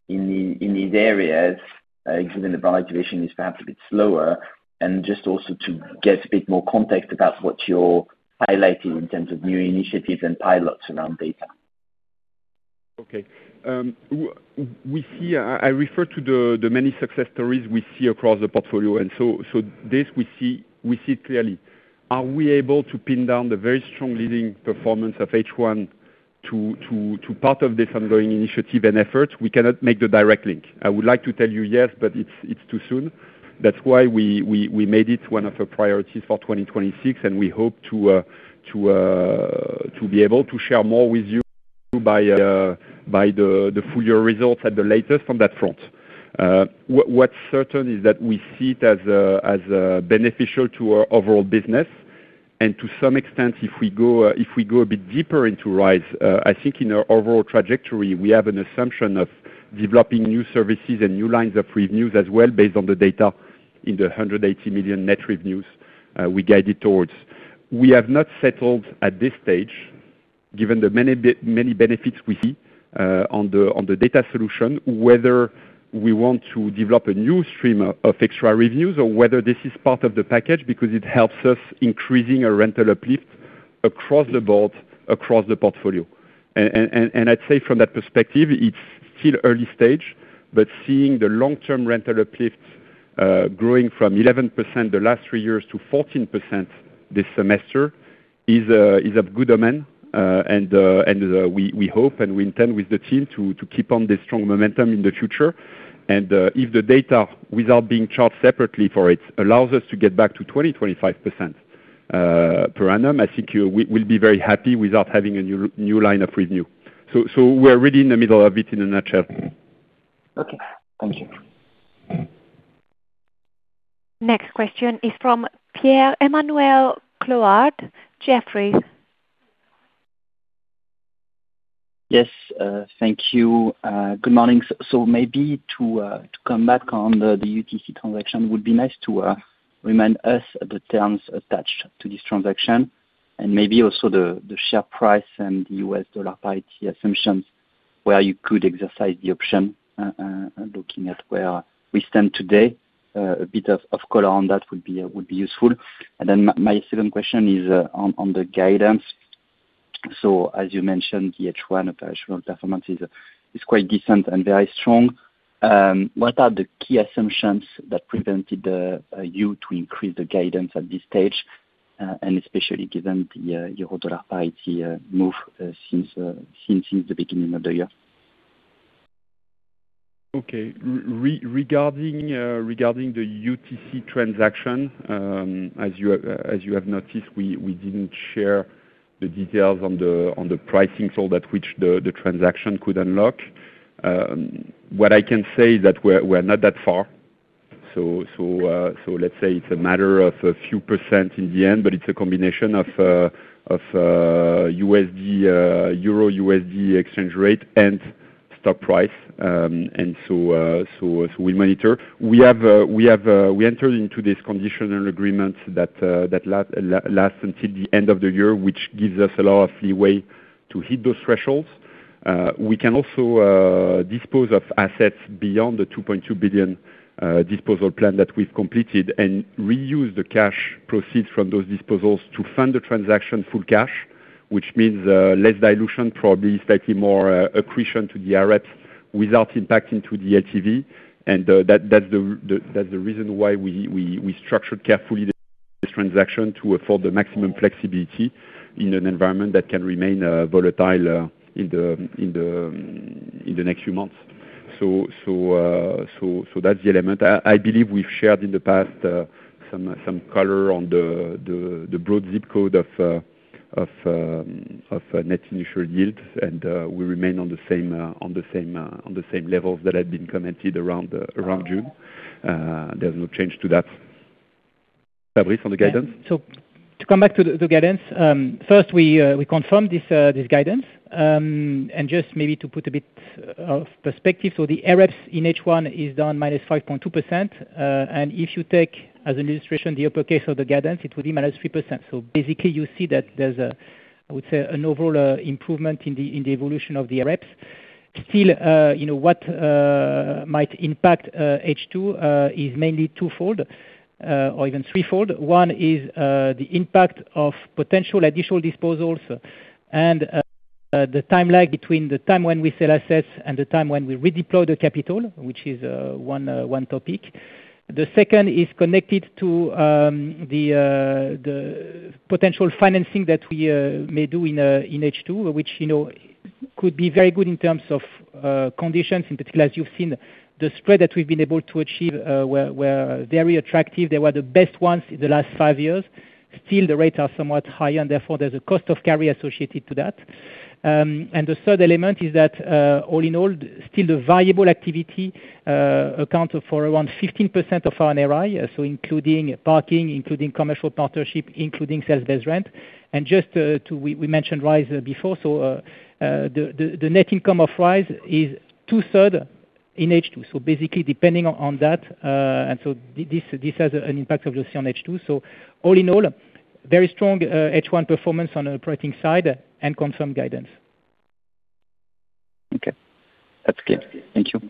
in these areas? Given the brand activation is perhaps a bit slower, and just also to get a bit more context about what you're highlighting in terms of new initiatives and pilots around data. Okay. I refer to the many success stories we see across the portfolio. This we see clearly. Are we able to pin down the very strong leading performance of H1 to part of this ongoing initiative and effort? We cannot make the direct link. I would like to tell you yes, but it's too soon. That's why we made it one of our priorities for 2026, and we hope to be able to share more with you by the full year results at the latest on that front. What's certain is that we see it as beneficial to our overall business, and to some extent, if we go a bit deeper into Rise, I think in our overall trajectory, we have an assumption of developing new services and new lines of revenues as well based on the data in the 180 million net revenues we guided towards. We have not settled at this stage, given the many benefits we see on the data solution, whether we want to develop a new stream of extra revenues or whether this is part of the package because it helps us increasing our rental uplift across the board, across the portfolio. I'd say from that perspective, it's still early stage, but seeing the long-term rental uplift growing from 11% the last three years to 14% this semester is of good omen. We hope, and we intend with the team to keep on this strong momentum in the future. If the data, without being charged separately for it, allows us to get back to 20%, 25% per annum, I think we'll be very happy without having a new line of revenue. We're really in the middle of it in a nutshell. Okay. Thank you. Next question is from Pierre-Emmanuel Clouard, Jefferies. Yes. Thank you. Good morning. Maybe to come back on the UTC transaction, it would be nice to remind us the terms attached to this transaction, and maybe also the share price and the U.S. dollar price, the assumptions where you could exercise the option, looking at where we stand today. A bit of color on that would be useful. Then my second question is on the guidance. As you mentioned, the H1 operational performance is quite decent and very strong. What are the key assumptions that prevented you to increase the guidance at this stage, and especially given the EUR/USD price move since the beginning of the year? Okay. Regarding the UTC transaction, as you have noticed, we didn't share the details on the pricing so that which the transaction could unlock. What I can say is that we're not that far. Let's say it's a matter of a few percent in the end, but it's a combination of EUR/USD exchange rate and stock price. So we monitor. We entered into this conditional agreement that lasts until the end of the year, which gives us a lot of leeway to hit those thresholds. We can also dispose of assets beyond the 2.2 billion disposal plan that we've completed and reuse the cash proceeds from those disposals to fund the transaction full cash, which means less dilution, probably slightly more accretion to the AREPs without impacting to the ATV. That's the reason why we structured carefully this transaction to afford the maximum flexibility in an environment that can remain volatile in the next few months. That's the element. I believe we've shared in the past some color on the broad ZIP code of net initial yields, and we remain on the same levels that have been commented around June. There's no change to that. Fabrice, on the guidance? To come back to the guidance. First, we confirm this guidance. Just maybe to put a bit of perspective, the AREPs in H1 is down -5.2%. If you take, as an illustration, the upper case of the guidance, it will be -3%. Basically, you see that there's, I would say, an overall improvement in the evolution of the AREPs. What might impact H2 is mainly twofold, or even threefold. One is the impact of potential additional disposals and the time lag between the time when we sell assets and the time when we redeploy the capital, which is one topic. The second is connected to the potential financing that we may do in H2, which could be very good in terms of conditions. As you've seen, the spread that we've been able to achieve were very attractive. They were the best ones in the last five years. The rates are somewhat high, and therefore, there's a cost of carry associated to that. The third element is that all in all, still the valuable activity accounts for around 15% of our NRAs, including parking, including commercial partnership, including sales-based rent. Just we mentioned Rise before, the net income of Rise is 2/3 in H2. Basically depending on that, and this has an impact of just on H2. All in all, very strong H1 performance on the operating side and confirmed guidance. Okay. That's clear. Thank you.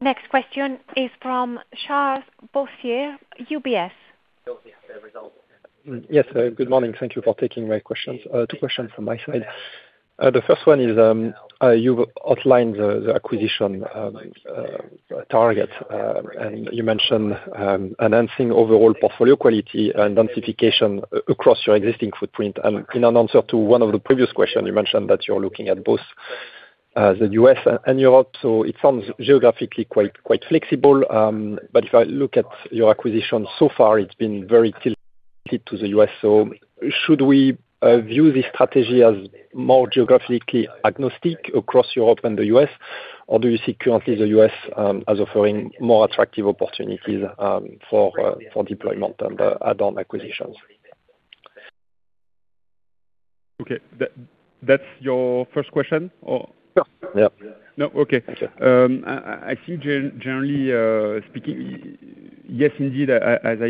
Next question is from Charles Boissier, UBS. Yes. Good morning. Thank you for taking my questions. Two questions from my side. The first one is, you've outlined the acquisition target, you mentioned enhancing overall portfolio quality and densification across your existing footprint. In an answer to one of the previous questions, you mentioned that you're looking at both the U.S. and Europe, it sounds geographically quite flexible. If I look at your acquisition so far, it's been very tilted to the U.S. Should we view this strategy as more geographically agnostic across Europe and the U.S., or do you see currently the U.S. as offering more attractive opportunities for deployment and add-on acquisitions? Okay. That's your first question? Yeah. No? Okay. I see, generally speaking, yes, indeed, as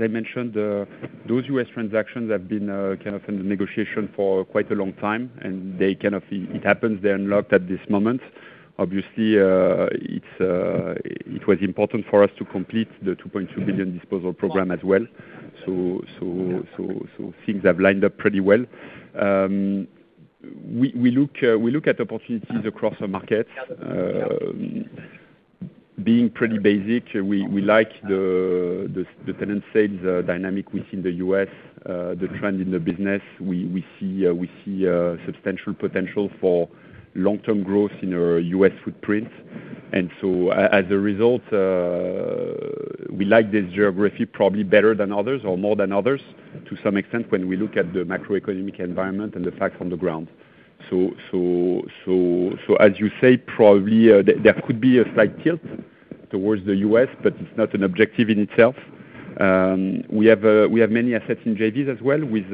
I mentioned, those U.S. transactions have been kind of in the negotiation for quite a long time, and it happens they are unlocked at this moment. Obviously, it was important for us to complete the 2.2 billion disposal program as well. Things have lined up pretty well. We look at opportunities across the markets. Being pretty basic, we like the tenant sales dynamic within the U.S., the trend in the business. We see substantial potential for long-term growth in our U.S. footprint. As a result, we like this geography probably better than others or more than others to some extent when we look at the macroeconomic environment and the facts on the ground. As you say, probably there could be a slight tilt towards the U.S., but it is not an objective in itself. We have many assets in JVs as well with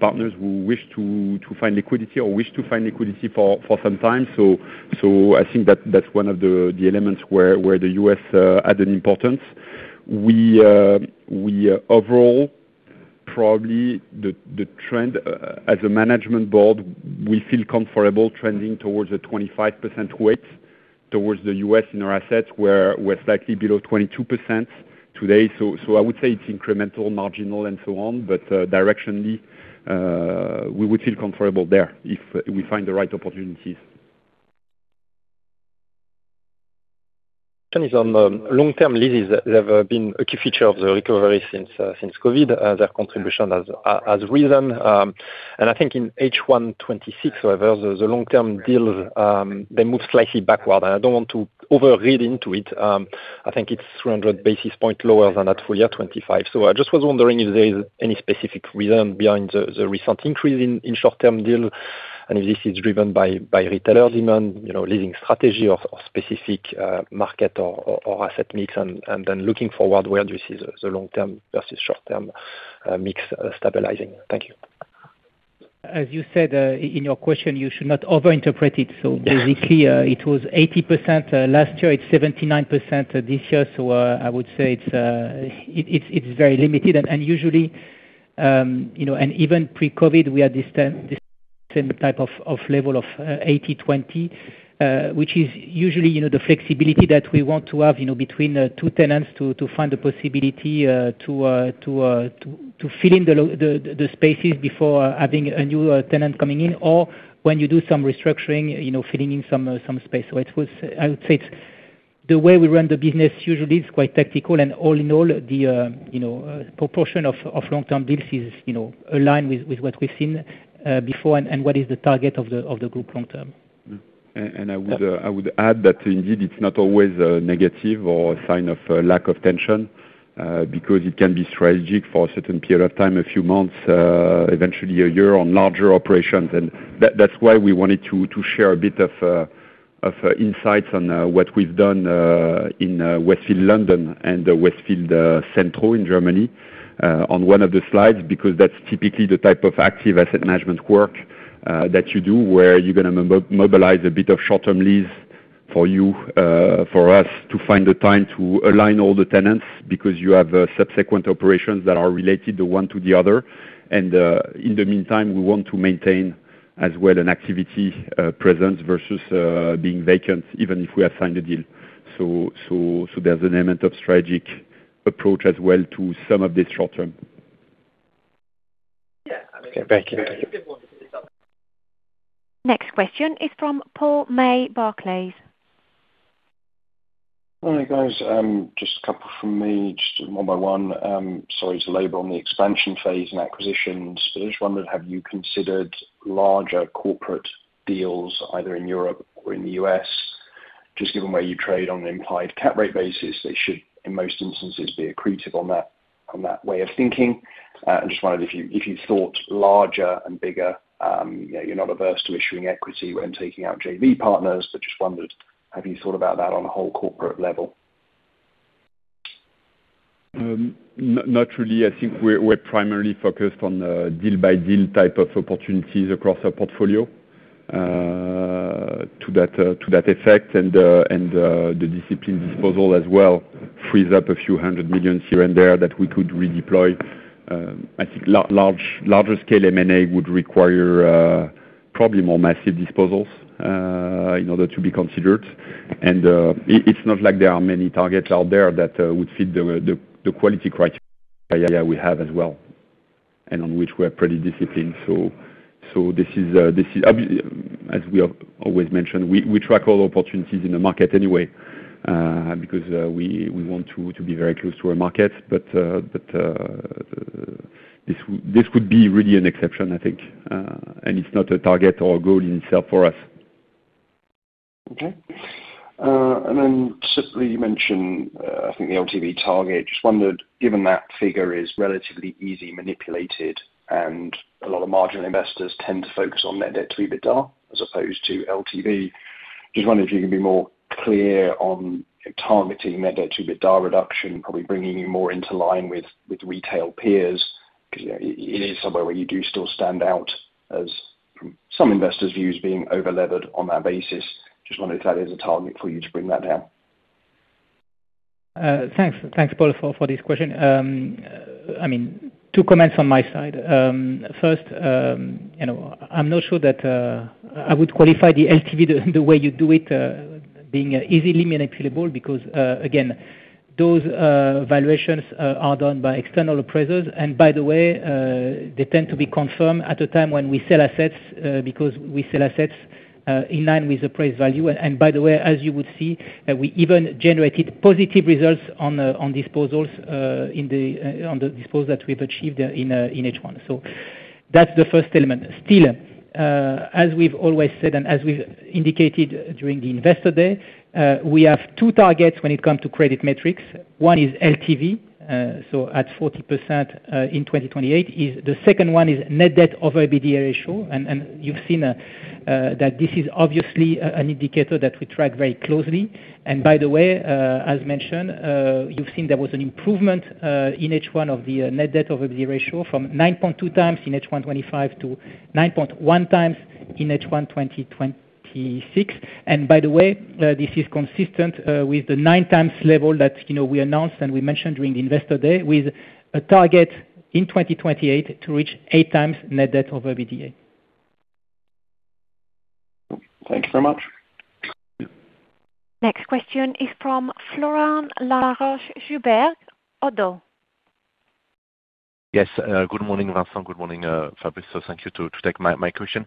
partners who wish to find liquidity or wished to find liquidity for some time. I think that is one of the elements where the U.S. had an importance. Overall, probably the trend as a management board, we feel comfortable trending towards a 25% weight towards the U.S. in our assets. We are slightly below 22% today. I would say it is incremental, marginal, and so on. But directionally, we would feel comfortable there if we find the right opportunities. On the long-term leases that have been a key feature of the recovery since COVID, their contribution has risen. I think in H1 2026, however, the long-term deals, they moved slightly backward. I don't want to over-read into it. I think it is 300 basis points lower than that full year 2025. I just was wondering if there is any specific reason behind the recent increase in short-term deals and if this is driven by retailer demand, leading strategy of specific market or asset mix. Looking forward, where do you see the long term versus short term mix stabilizing? Thank you. As you said in your question, you should not over-interpret it. Basically, it was 80% last year. It is 79% this year. I would say it is very limited. Even pre-COVID, we had the same type of level of 80/20, which is usually the flexibility that we want to have between two tenants to find the possibility to fill in the spaces before having a new tenant coming in, or when you do some restructuring, filling in some space. I would say the way we run the business usually is quite tactical, and all in all, the proportion of long-term deals is aligned with what we have seen before and what is the target of the group long term. I would add that indeed, it's not always a negative or a sign of a lack of tension, because it can be strategic for a certain period of time, a few months, eventually a year on larger operations. That's why we wanted to share a bit of insights on what we've done in Westfield London and Westfield Centro in Germany on one of the slides, because that's typically the type of active asset management work that you do, where you're going to mobilize a bit of short-term lease for us to find the time to align all the tenants because you have subsequent operations that are related to one to the other. In the meantime, we want to maintain as well an activity presence versus being vacant, even if we have signed a deal. There's an element of strategic approach as well to some of the short term. Okay, thank you. Next question is from Paul May, Barclays. Hi, guys. Just a couple from me, just one by one. Sorry to labor on the expansion phase and acquisitions. I just wondered, have you considered larger corporate deals either in Europe or in the U.S.? Just given where you trade on an implied cap rate basis, they should, in most instances, be accretive on that way of thinking. I just wondered if you thought larger and bigger. You're not averse to issuing equity when taking out JV partners. I just wondered, have you thought about that on a whole corporate level? Not really. I think we're primarily focused on a deal-by-deal type of opportunities across our portfolio to that effect, and the discipline disposal as well frees up a few hundred million here and there that we could redeploy. I think larger scale M&A would require probably more massive disposals in order to be considered. It's not like there are many targets out there that would fit the quality criteria we have as well, and on which we're pretty disciplined. As we always mention, we track all opportunities in the market anyway, because we want to be very close to our markets. This would be really an exception, I think. It's not a target or a goal in itself for us. Okay. Simply, you mentioned, I think, the LTV target. Just wondered, given that figure is relatively easy manipulated, and a lot of marginal investors tend to focus on net debt to EBITDA as opposed to LTV, just wondering if you can be more clear on targeting net debt to EBITDA reduction, probably bringing you more into line with retail peers, because it is somewhere where you do still stand out as some investors view as being over-levered on that basis. Just wondering if that is a target for you to bring that down. Thanks, Paul, for this question. Two comments on my side. First, I'm not sure that I would qualify the LTV the way you do it being easily manipulable because, again, those valuations are done by external appraisers. By the way, they tend to be confirmed at a time when we sell assets because we sell assets in line with appraised value. By the way, as you would see, we even generated positive results on disposals on the dispose that we've achieved in H1. That's the first element. Still, as we've always said, and as we've indicated during the Investor Day, we have two targets when it comes to credit metrics. One is LTV, so at 40% in 2028. The second one is net debt over EBITDA ratio. You've seen that this is obviously an indicator that we track very closely. As mentioned, you've seen there was an improvement in H1 of the net debt over EBITDA ratio from 9.2x in H1 2025 to 9.1x in H1 2026. This is consistent with the 9x level that we announced and we mentioned during the Investor Day with a target in 2028 to reach 8x net debt over EBITDA. Thank you very much. Next question is from Florent Laroche-Joubert, ODDO. Yes. Good morning, Vincent. Good morning, Fabrice. Thank you to take my question.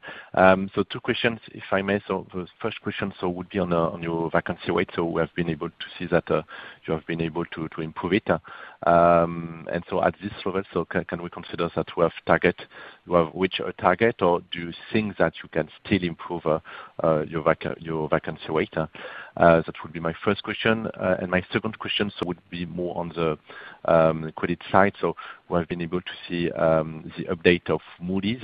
Two questions, if I may. The first question would be on your vacancy rate. We have been able to see that you have been able to improve it. At this level, can we consider that you have reached a target, or do you think that you can still improve your vacancy rate? That would be my first question, my second question would be more on the credit side. We have been able to see the update of Moody's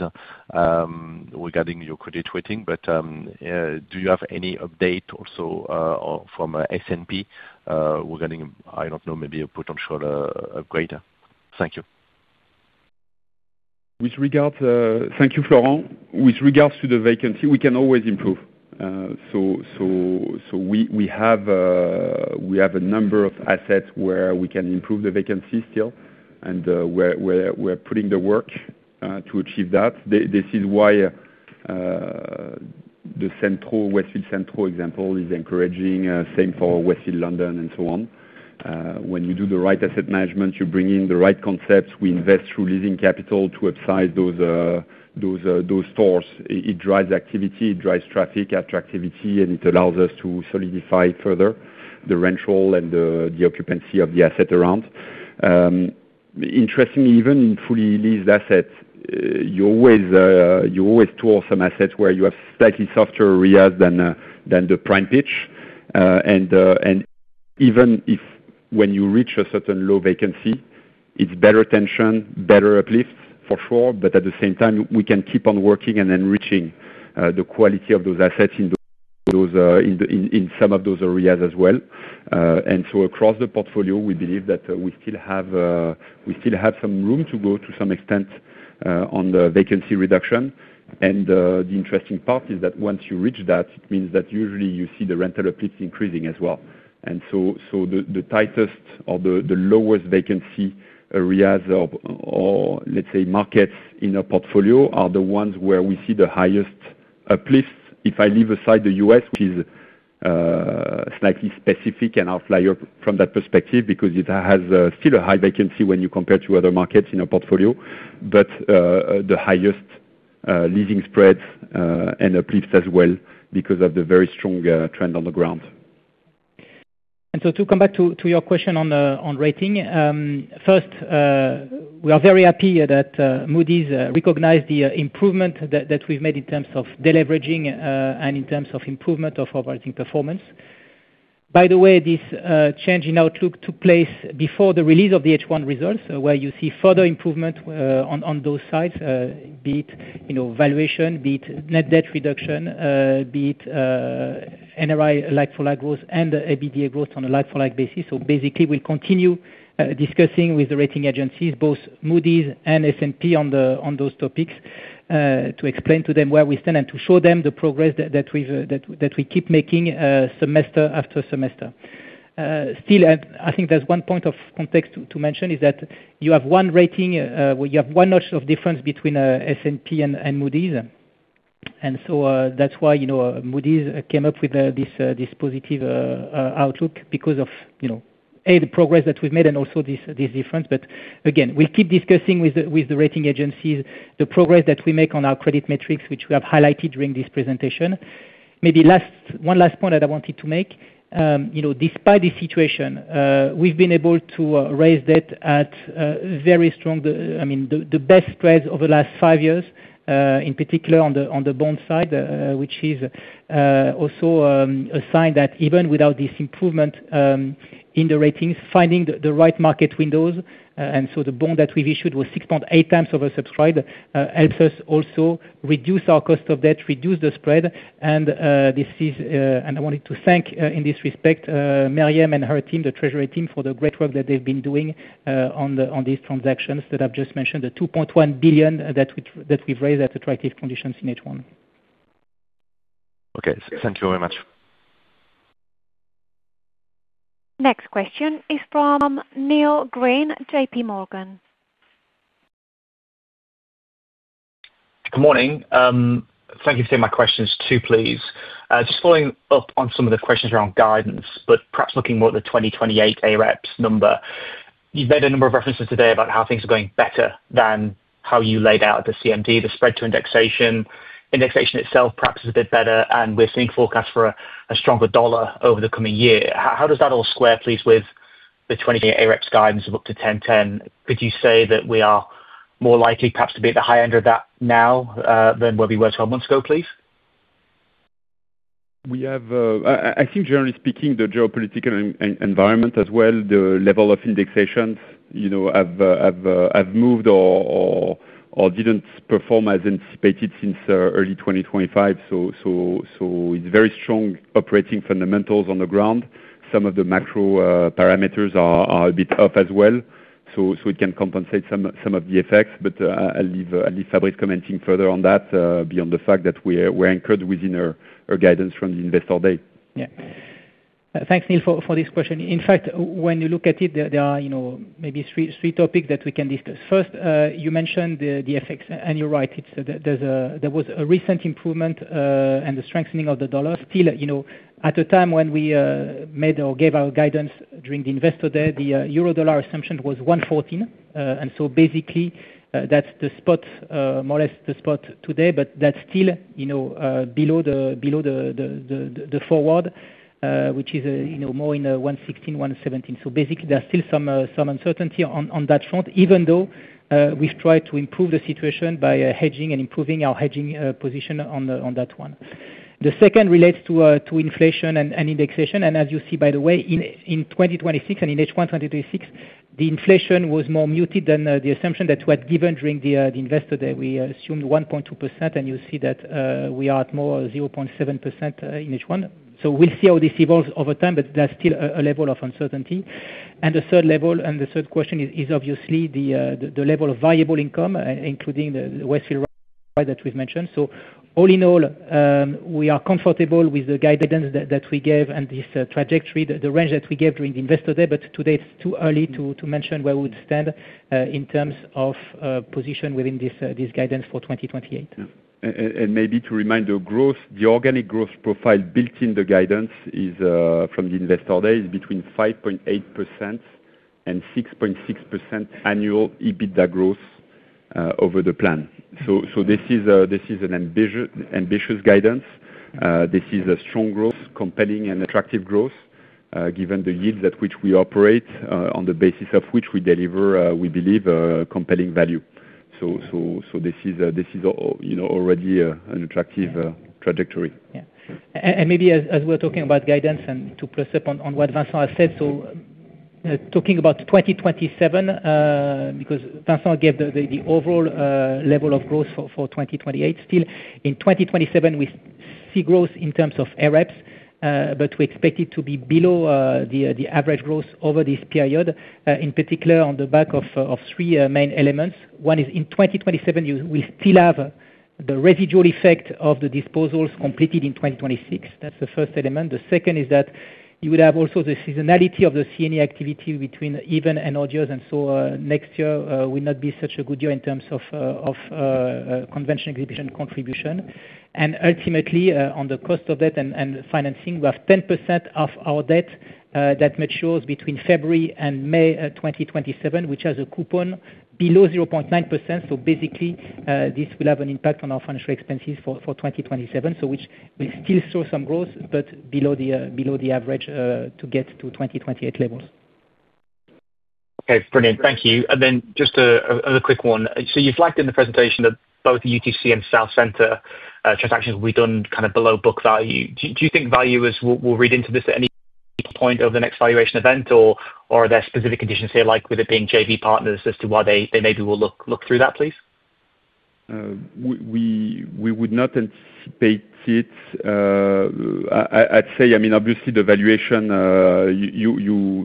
regarding your credit rating. Do you have any update also from S&P regarding, I don't know, maybe a potential upgrade? Thank you. Thank you, Florent. With regards to the vacancy, we can always improve. We have a number of assets where we can improve the vacancy still, and we are putting the work to achieve that. This is why the Centro example is encouraging. Same for Westfield London and so on. When you do the right asset management, you bring in the right concepts. We invest through leasing capital to upsize those stores. It drives activity, it drives traffic, attractivity, and it allows us to solidify further the rental and the occupancy of the asset around. Interestingly, even in fully leased assets, you always tour some assets where you have slightly softer RIAs than the prime pitch. Even if when you reach a certain low vacancy, it is better tension, better uplift for sure. At the same time, we can keep on working and enriching the quality of those assets in some of those areas as well. Across the portfolio, we believe that we still have some room to go to some extent, on the vacancy reduction. The interesting part is that once you reach that, it means that usually you see the rental uplifts increasing as well. The tightest or the lowest vacancy areas or let's say markets in our portfolio, are the ones where we see the highest uplifts. If I leave aside the U.S., which is slightly specific and outlier from that perspective because it has still a high vacancy when you compare to other markets in our portfolio. The highest leasing spreads, and uplifts as well because of the very strong trend on the ground. To come back to your question on rating. First, we are very happy that Moody's recognized the improvement that we have made in terms of deleveraging, and in terms of improvement of operating performance. By the way, this change in outlook took place before the release of the H1 results, where you see further improvement on those sides, be it valuation, be it net debt reduction, be it NRI like-for-like growth and EBITDA growth on a like-for-like basis. Basically, we will continue discussing with the rating agencies, both Moody's and S&P on those topics, to explain to them where we stand and to show them the progress that we keep making semester after semester. Still, I think there is one point of context to mention is that you have one rating, well, you have one notch of difference between S&P and Moody's. That is why Moody's came up with this positive outlook because of, A, the progress that we have made and also this difference. Again, we will keep discussing with the rating agencies the progress that we make on our credit metrics, which we have highlighted during this presentation. Maybe one last point that I wanted to make. Despite this situation, we have been able to raise debt at very strong, the best spreads over the last five years, in particular on the bond side, which is also a sign that even without this improvement in the ratings, finding the right market windows. The bond that we have issued was 6.8x oversubscribed, helps us also reduce our cost of debt, reduce the spread. I wanted to thank, in this respect, Meriem and her team, the treasury team, for the great work that they've been doing on these transactions that I've just mentioned, the 2.1 billion that we've raised at attractive conditions in H1. Okay. Thank you very much. Next question is from Neil Green, J.P. Morgan. Good morning. Thank you for taking my questions too, please. Following up on some of the questions around guidance, but perhaps looking more at the 2028 AREPS number. You've made a number of references today about how things are going better than how you laid out at the CMD, the spread to indexation. Indexation itself perhaps is a bit better, and we're seeing forecasts for a stronger dollar over the coming year. How does that all square please with the 2028 AREPS guidance of up to 10.10, could you say that we are more likely perhaps to be at the high end of that now than where we were 12 months ago, please? I think generally speaking, the geopolitical environment as well, the level of indexations have moved or didn't perform as anticipated since early 2025. It's very strong operating fundamentals on the ground. Some of the macro parameters are a bit up as well, so it can compensate some of the effects. I'll leave Fabrice commenting further on that, beyond the fact that we're anchored within our own guidance from the Investor Day. Thanks, Neil, for this question. In fact, when you look at it, there are maybe three topics that we can discuss. First, you mentioned the FX, and you're right, there was a recent improvement, and the strengthening of the dollar. Still, at the time when we made or gave our guidance during the Investor Day, the EUR/USD assumption was 1.14. That's more or less the spot today, but that's still below the forward, which is more in the 1.16, 1.17. There's still some uncertainty on that front, even though we've tried to improve the situation by hedging and improving our hedging position on that one. The second relates to inflation and indexation. As you see, by the way, in 2026 and in H1 2026, the inflation was more muted than the assumption that we had given during the Investor Day. We assumed 1.2%, and you'll see that we are at more 0.7% in H1. We'll see how this evolves over time, but there's still a level of uncertainty. The third question is obviously the level of valuable income, including the Westfield Rise that we've mentioned. All in all, we are comfortable with the guidance that we gave and this trajectory, the range that we gave during the Investor Day, today it's too early to mention where we stand in terms of position within this guidance for 2028. Maybe to remind the growth, the organic growth profile built in the guidance from the Investor Day is between 5.8% and 6.6% annual EBITDA growth over the plan. This is an ambitious guidance. This is a strong growth, compelling and attractive growth, given the yield at which we operate, on the basis of which we deliver, we believe, compelling value. This is already an attractive trajectory. Yeah. Maybe as we're talking about guidance and to plus up on what Vincent has said, talking about 2027, because Vincent gave the overall level of growth for 2028. Still, in 2027, we see growth in terms of AREPs, but we expect it to be below the average growth over this period, in particular on the back of three main elements. One is in 2027, we still have the residual effect of the disposals completed in 2026. That's the first element. The second is that you would have also the seasonality of the C&E activity between even and odd years, so next year will not be such a good year in terms of Convention and Exhibition contribution. Ultimately, on the cost of debt and financing, we have 10% of our debt that matures between February and May 2027, which has a coupon below 0.9%. Basically, this will have an impact on our financial expenses for 2027. We still show some growth, but below the average to get to 2028 levels. Okay, brilliant. Thank you. Then just another quick one. You flagged in the presentation that both the UTC and Southcenter transactions will be done below book value. Do you think valuers will read into this at any point over the next valuation event, or are there specific conditions here, like with it being JV partners as to why they maybe will look through that, please? We would not anticipate it. Obviously the valuation,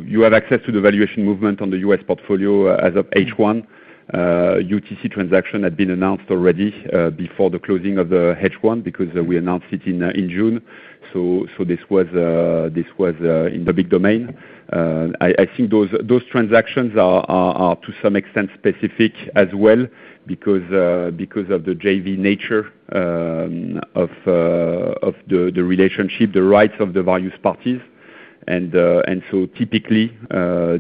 you have access to the valuation movement on the U.S. portfolio as of H1. UTC transaction had been announced already before the closing of the H1, because we announced it in June. This was in the big domain. I think those transactions are to some extent specific as well because of the JV nature of the relationship, the rights of the various parties. Typically,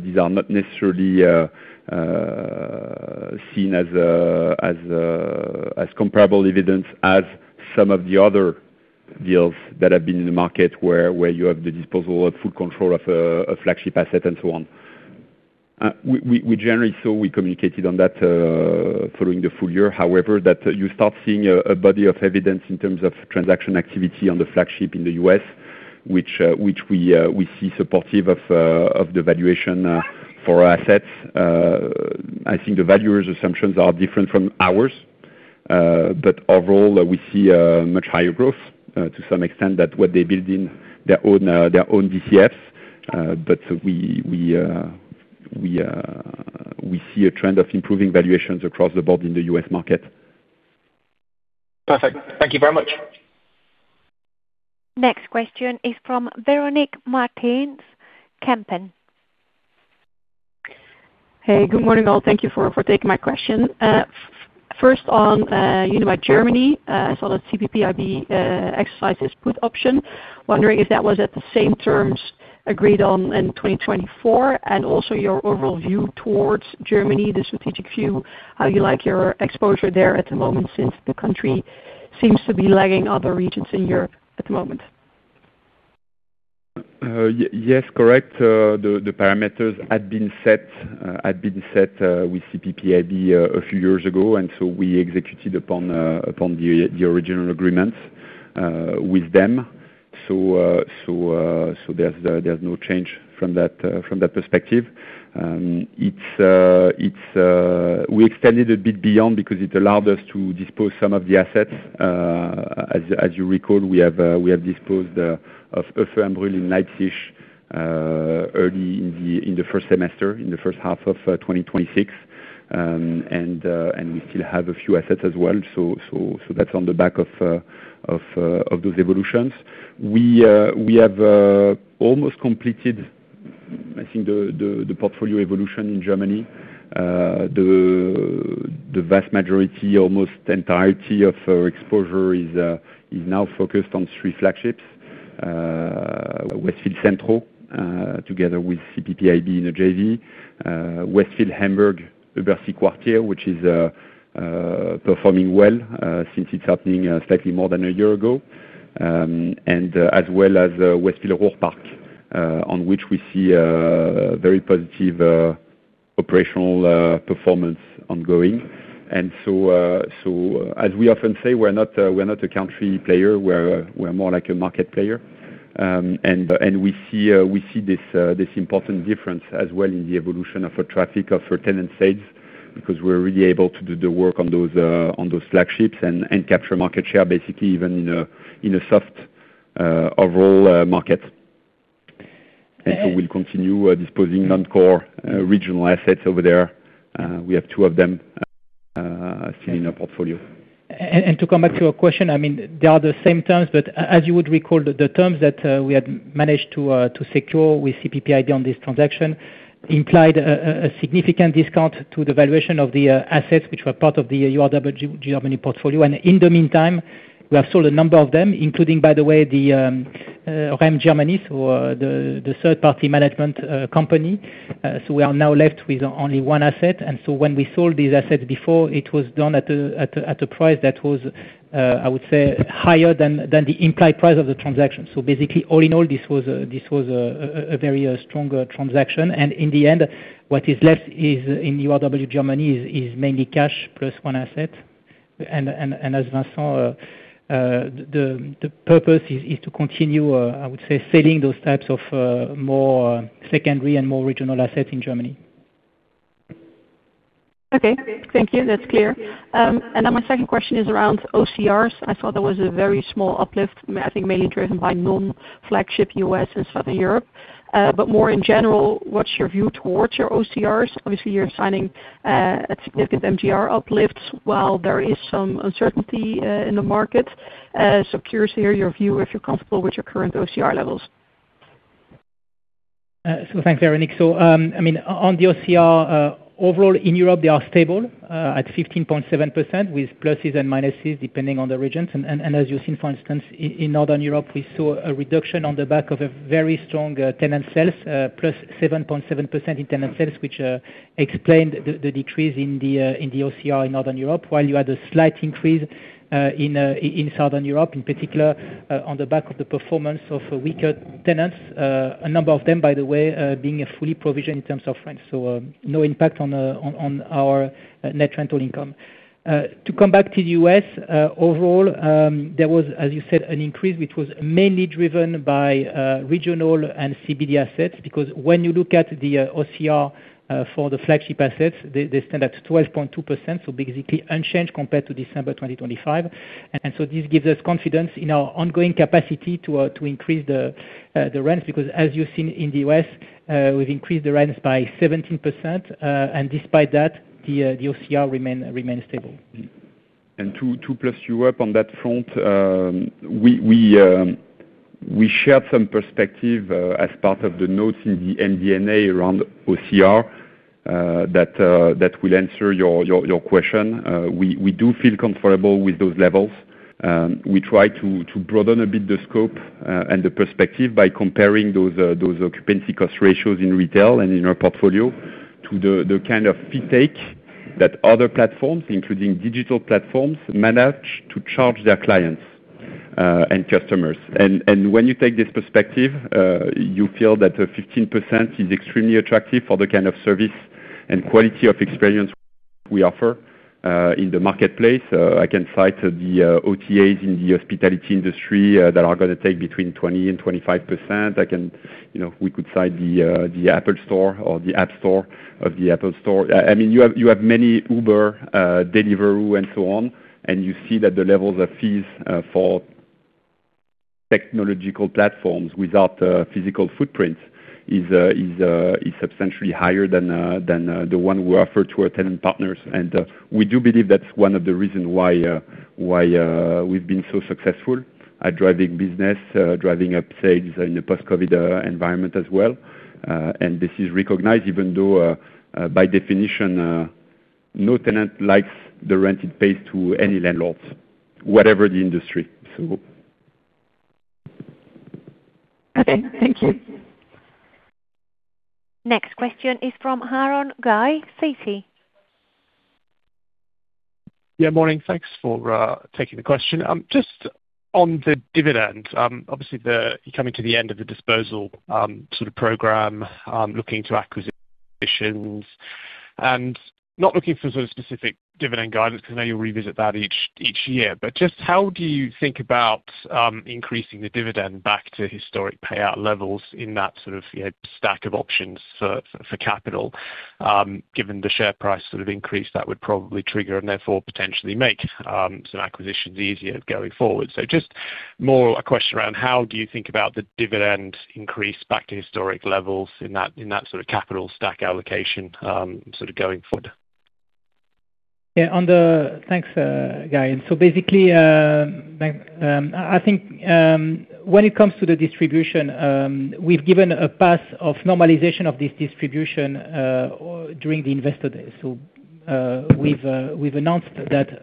these are not necessarily seen as comparable evidence as some of the other deals that have been in the market where you have the disposal of full control of a flagship asset and so on. We generally saw, we communicated on that following the full year, however, that you start seeing a body of evidence in terms of transaction activity on the flagship in the U.S., which we see supportive of the valuation for our assets. I think the valuers' assumptions are different from ours. Overall, we see a much higher growth to some extent that what they build in their own DCFs. We see a trend of improving valuations across the board in the U.S. market. Perfect. Thank you very much. Next question is from Veronique Meertens, Kempen. Hey, good morning, all. Thank you for taking my question. First on Unibail Germany, I saw that CPPIB exercised its put option. Wondering if that was at the same terms agreed on in 2024, and also your overall view towards Germany, the strategic view, how you like your exposure there at the moment since the country seems to be lagging other regions in Europe at the moment. Yes. Correct. The parameters had been set with CPPIB a few years ago. We executed upon the original agreement with them. There's no change from that perspective. We extended a bit beyond because it allowed us to dispose some of the assets. As you recall, we have disposed of Höfe am Brühl in Leipzig early in the first semester, in the first half of 2026. We still have a few assets as well. That's on the back of those evolutions. We have almost completed, I think, the portfolio evolution in Germany. The vast majority, almost entirety of our exposure is now focused on three flagships, Westfield Centro, together with CPPIB in a JV, Westfield Hamburg-Überseequartier, which is performing well since its opening slightly more than a year ago, as well as Westfield Ruhr Park, on which we see a very positive operational performance ongoing. As we often say, we're not a country player. We're more like a market player. We see this important difference as well in the evolution of our traffic, of our tenant sales, because we're really able to do the work on those flagships and capture market share, basically, even in a soft overall market. We'll continue disposing non-core regional assets over there. We have two of them still in our portfolio. To come back to your question, they are the same terms, but as you would recall, the terms that we had managed to secure with CPPIB on this transaction implied a significant discount to the valuation of the assets which were part of the URW Germany portfolio. In the meantime, we have sold a number of them, including, by the way, the [mfi AG] Germany, so the third-party management company. We are now left with only one asset. When we sold these assets before, it was done at a price that was, I would say, higher than the implied price of the transaction. Basically, all in all, this was a very strong transaction. In the end, what is left in URW Germany is mainly cash plus one asset. As Vincent, the purpose is to continue, I would say, selling those types of more secondary and more regional assets in Germany. Okay. Thank you. That's clear. My second question is around OCRs. I thought there was a very small uplift, I think mainly driven by non-flagship U.S. and Southern Europe. More in general, what's your view towards your OCRs? Obviously, you are signing at significant MGR uplifts while there is some uncertainty in the market. Curious to hear your view, if you are comfortable with your current OCR levels. Thanks, Veronique. On the OCR, overall in Europe, they are stable at 15.7%, with pluses and minuses depending on the regions. As you have seen, for instance, in Northern Europe, we saw a reduction on the back of a very strong tenant sales, +7.7% in tenant sales, which explained the decrease in the OCR in Northern Europe. While you had a slight increase in Southern Europe, in particular, on the back of the performance of weaker tenants. A number of them, by the way, being fully provisioned in terms of rents. No impact on our net rental income. To come back to the U.S., overall, there was, as you said, an increase, which was mainly driven by regional and CBD assets, because when you look at the OCR for the flagship assets, they stand at 12.2%, basically unchanged compared to December 2025. This gives us confidence in our ongoing capacity to increase the rents, because as you have seen in the U.S., we have increased the rents by 17%, and despite that, the OCR remains stable. To plus you up on that front, we shared some perspective as part of the notes in the MD&A around OCR, that will answer your question. We do feel comfortable with those levels. We try to broaden a bit the scope and the perspective by comparing those occupancy cost ratios in retail and in our portfolio to the kind of fee take that other platforms, including digital platforms, manage to charge their clients and customers. When you take this perspective, you feel that 15% is extremely attractive for the kind of service and quality of experience we offer in the marketplace. I can cite the OTAs in the hospitality industry that are going to take between 20% and 25%. We could cite the Apple Store or the App Store of the Apple Store. You have many Uber, Deliveroo, and so on. You see that the levels of fees for technological platforms without a physical footprint is substantially higher than the one we offer to our tenant partners. We do believe that's one of the reasons why we've been so successful at driving business, driving up sales in the post-COVID environment as well. This is recognized even though, by definition, no tenant likes the rent it pays to any landlords, whatever the industry. Okay, thank you. Next question is from Aaron Guy, Citi. Yeah, morning. Thanks for taking the question. Just on the dividend, obviously you're coming to the end of the disposal program, looking to acquisitions. Not looking for specific dividend guidance, because I know you'll revisit that each year. Just how do you think about increasing the dividend back to historic payout levels in that sort of stack of options for capital, given the share price increase that would probably trigger and therefore potentially make some acquisitions easier going forward. Just more a question around how do you think about the dividend increase back to historic levels in that sort of capital stack allocation going forward? Thanks, Guy. When it comes to the distribution, we have given a path of normalization of this distribution during the Investor Day. We have announced that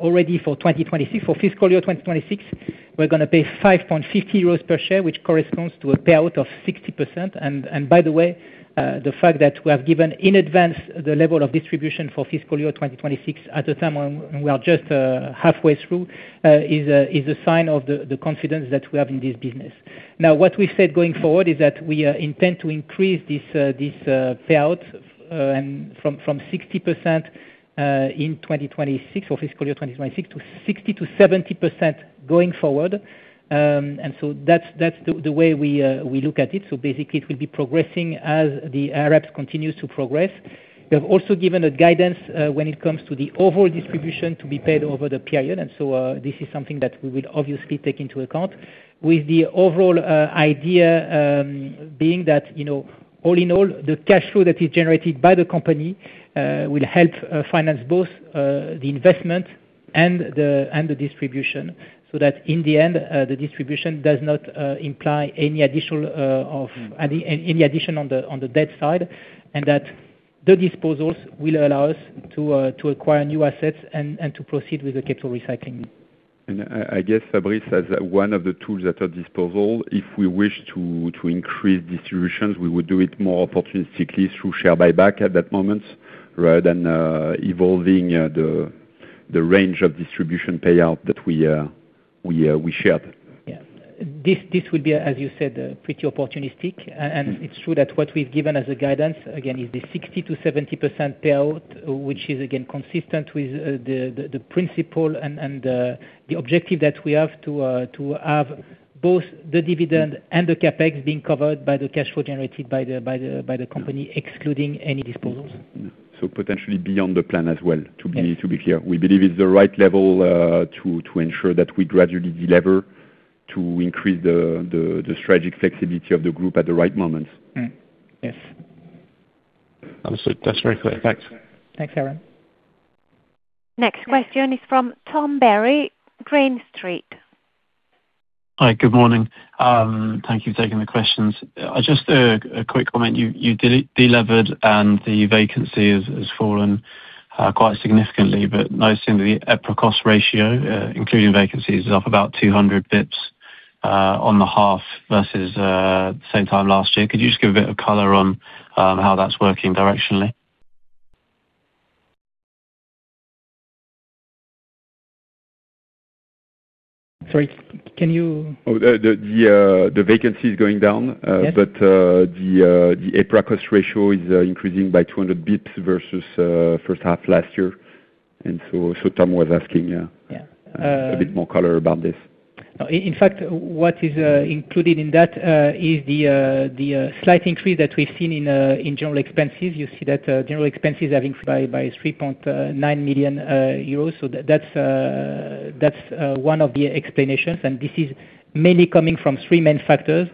already for fiscal year 2026, we are going to pay 5.50 euros per share, which corresponds to a payout of 60%. By the way, the fact that we have given in advance the level of distribution for fiscal year 2026 at a time when we are just halfway through, is a sign of the confidence that we have in this business. What we have said going forward is that we intend to increase this payout from 60% in fiscal year 2026 to 60%-70% going forward. That is the way we look at it. It will be progressing as the AREPS continues to progress. We have also given a guidance when it comes to the overall distribution to be paid over the period, this is something that we will obviously take into account with the overall idea being that, all in all, the cash flow that is generated by the company will help finance both the investment and the distribution, so that in the end, the distribution does not imply any addition on the debt side, and that the disposals will allow us to acquire new assets and to proceed with the capital recycling. I guess, Fabrice, as one of the tools at our disposal, if we wish to increase distributions, we would do it more opportunistically through share buyback at that moment rather than evolving the range of distribution payout that we shared. This will be, as you said, pretty opportunistic. It is true that what we have given as a guidance, again, is the 60%-70% payout, which is again consistent with the principle and the objective that we have to have both the dividend and the CapEx being covered by the cash flow generated by the company, excluding any disposals. Potentially beyond the plan as well. Yes. To be clear. We believe it's the right level to ensure that we gradually delever to increase the strategic flexibility of the group at the right moment. Yes. Understood. That's very clear. Thanks. Thanks, Aaron. Next question is from Tom Berry, Green Street. Hi, good morning. Thank you for taking the questions. Just a quick comment. You delevered and the vacancy has fallen quite significantly, but noticing the EPRA cost ratio, including vacancies, is up about 200 basis points on the half versus same time last year. Could you just give a bit of color on how that's working directionally? Sorry, can you? The vacancy is going down. Yes. The EPRA cost ratio is increasing by 200 basis points versus first half last year. Tom was asking, a bit more color about this. In fact, what is included in that is the slight increase that we've seen in general expenses. You see that general expenses have increased by 3.9 million euros. That's one of the explanations, and this is mainly coming from three main factors.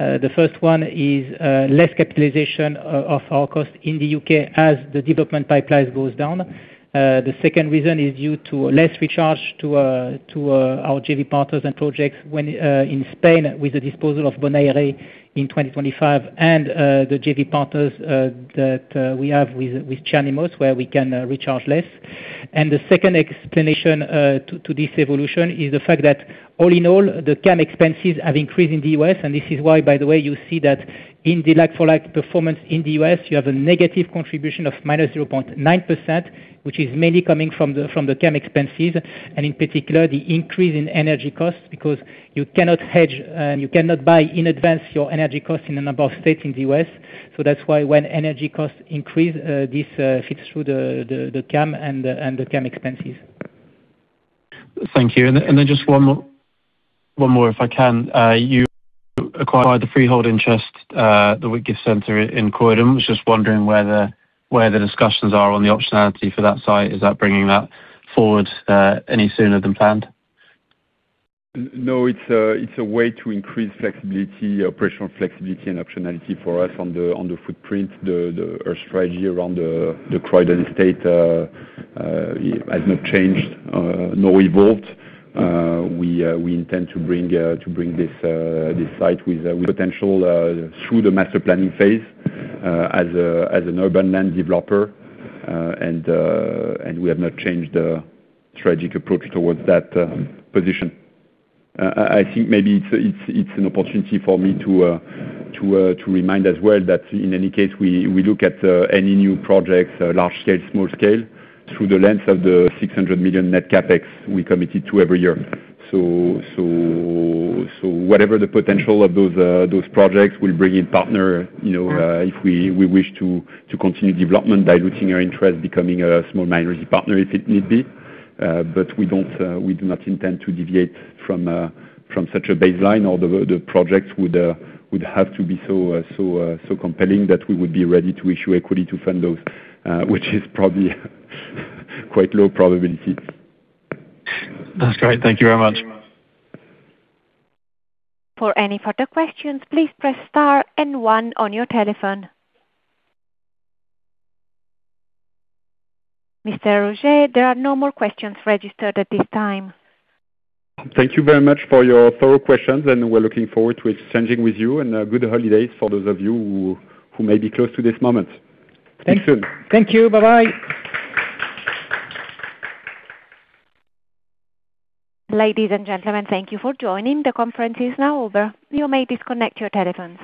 The first one is less capitalization of our cost in the U.K. as the development pipeline goes down. The second reason is due to less recharge to our JV partners and projects in Spain with the disposal of Bonaire in 2025 and the JV partners that we have with Černý Most, where we can recharge less. The second explanation to this evolution is the fact that all in all, the CAM expenses have increased in the U.S., and this is why, by the way, you see that in the like-for-like performance in the U.S., you have a negative contribution of -0.9%, which is mainly coming from the CAM expenses and in particular, the increase in energy costs because you cannot hedge and you cannot buy in advance your energy costs in a number of states in the U.S. That's why when energy costs increase, this feeds through the CAM and the CAM expenses. Thank you. Just one more if I can. You acquired the freehold interest, the Whitgift Centre in Croydon. Was just wondering where the discussions are on the optionality for that site. Is that bringing that forward any sooner than planned? No, it's a way to increase flexibility, operational flexibility, and optionality for us on the footprint. Our strategy around the Croydon estate has not changed nor evolved. We intend to bring this site with potential through the master planning phase as an urban land developer, and we have not changed the strategic approach towards that position. I think maybe it's an opportunity for me to remind as well that in any case, we look at any new projects, large scale, small scale, through the lens of the 600 million net CapEx we committed to every year. Whatever the potential of those projects, we'll bring in partner if we wish to continue development, diluting our interest, becoming a small minority partner if it need be. We do not intend to deviate from such a baseline, or the project would have to be so compelling that we would be ready to issue equity to fund those, which is probably quite low probability. That's great. Thank you very much. For any further questions, please press star and one on your telephone. Mr. Rouget, there are no more questions registered at this time. Thank you very much for your thorough questions, and we're looking forward to exchanging with you, and good holidays for those of you who may be close to this moment. Speak soon. Thank you. Bye-bye. Ladies and gentlemen, thank you for joining. The conference is now over. You may disconnect your telephones.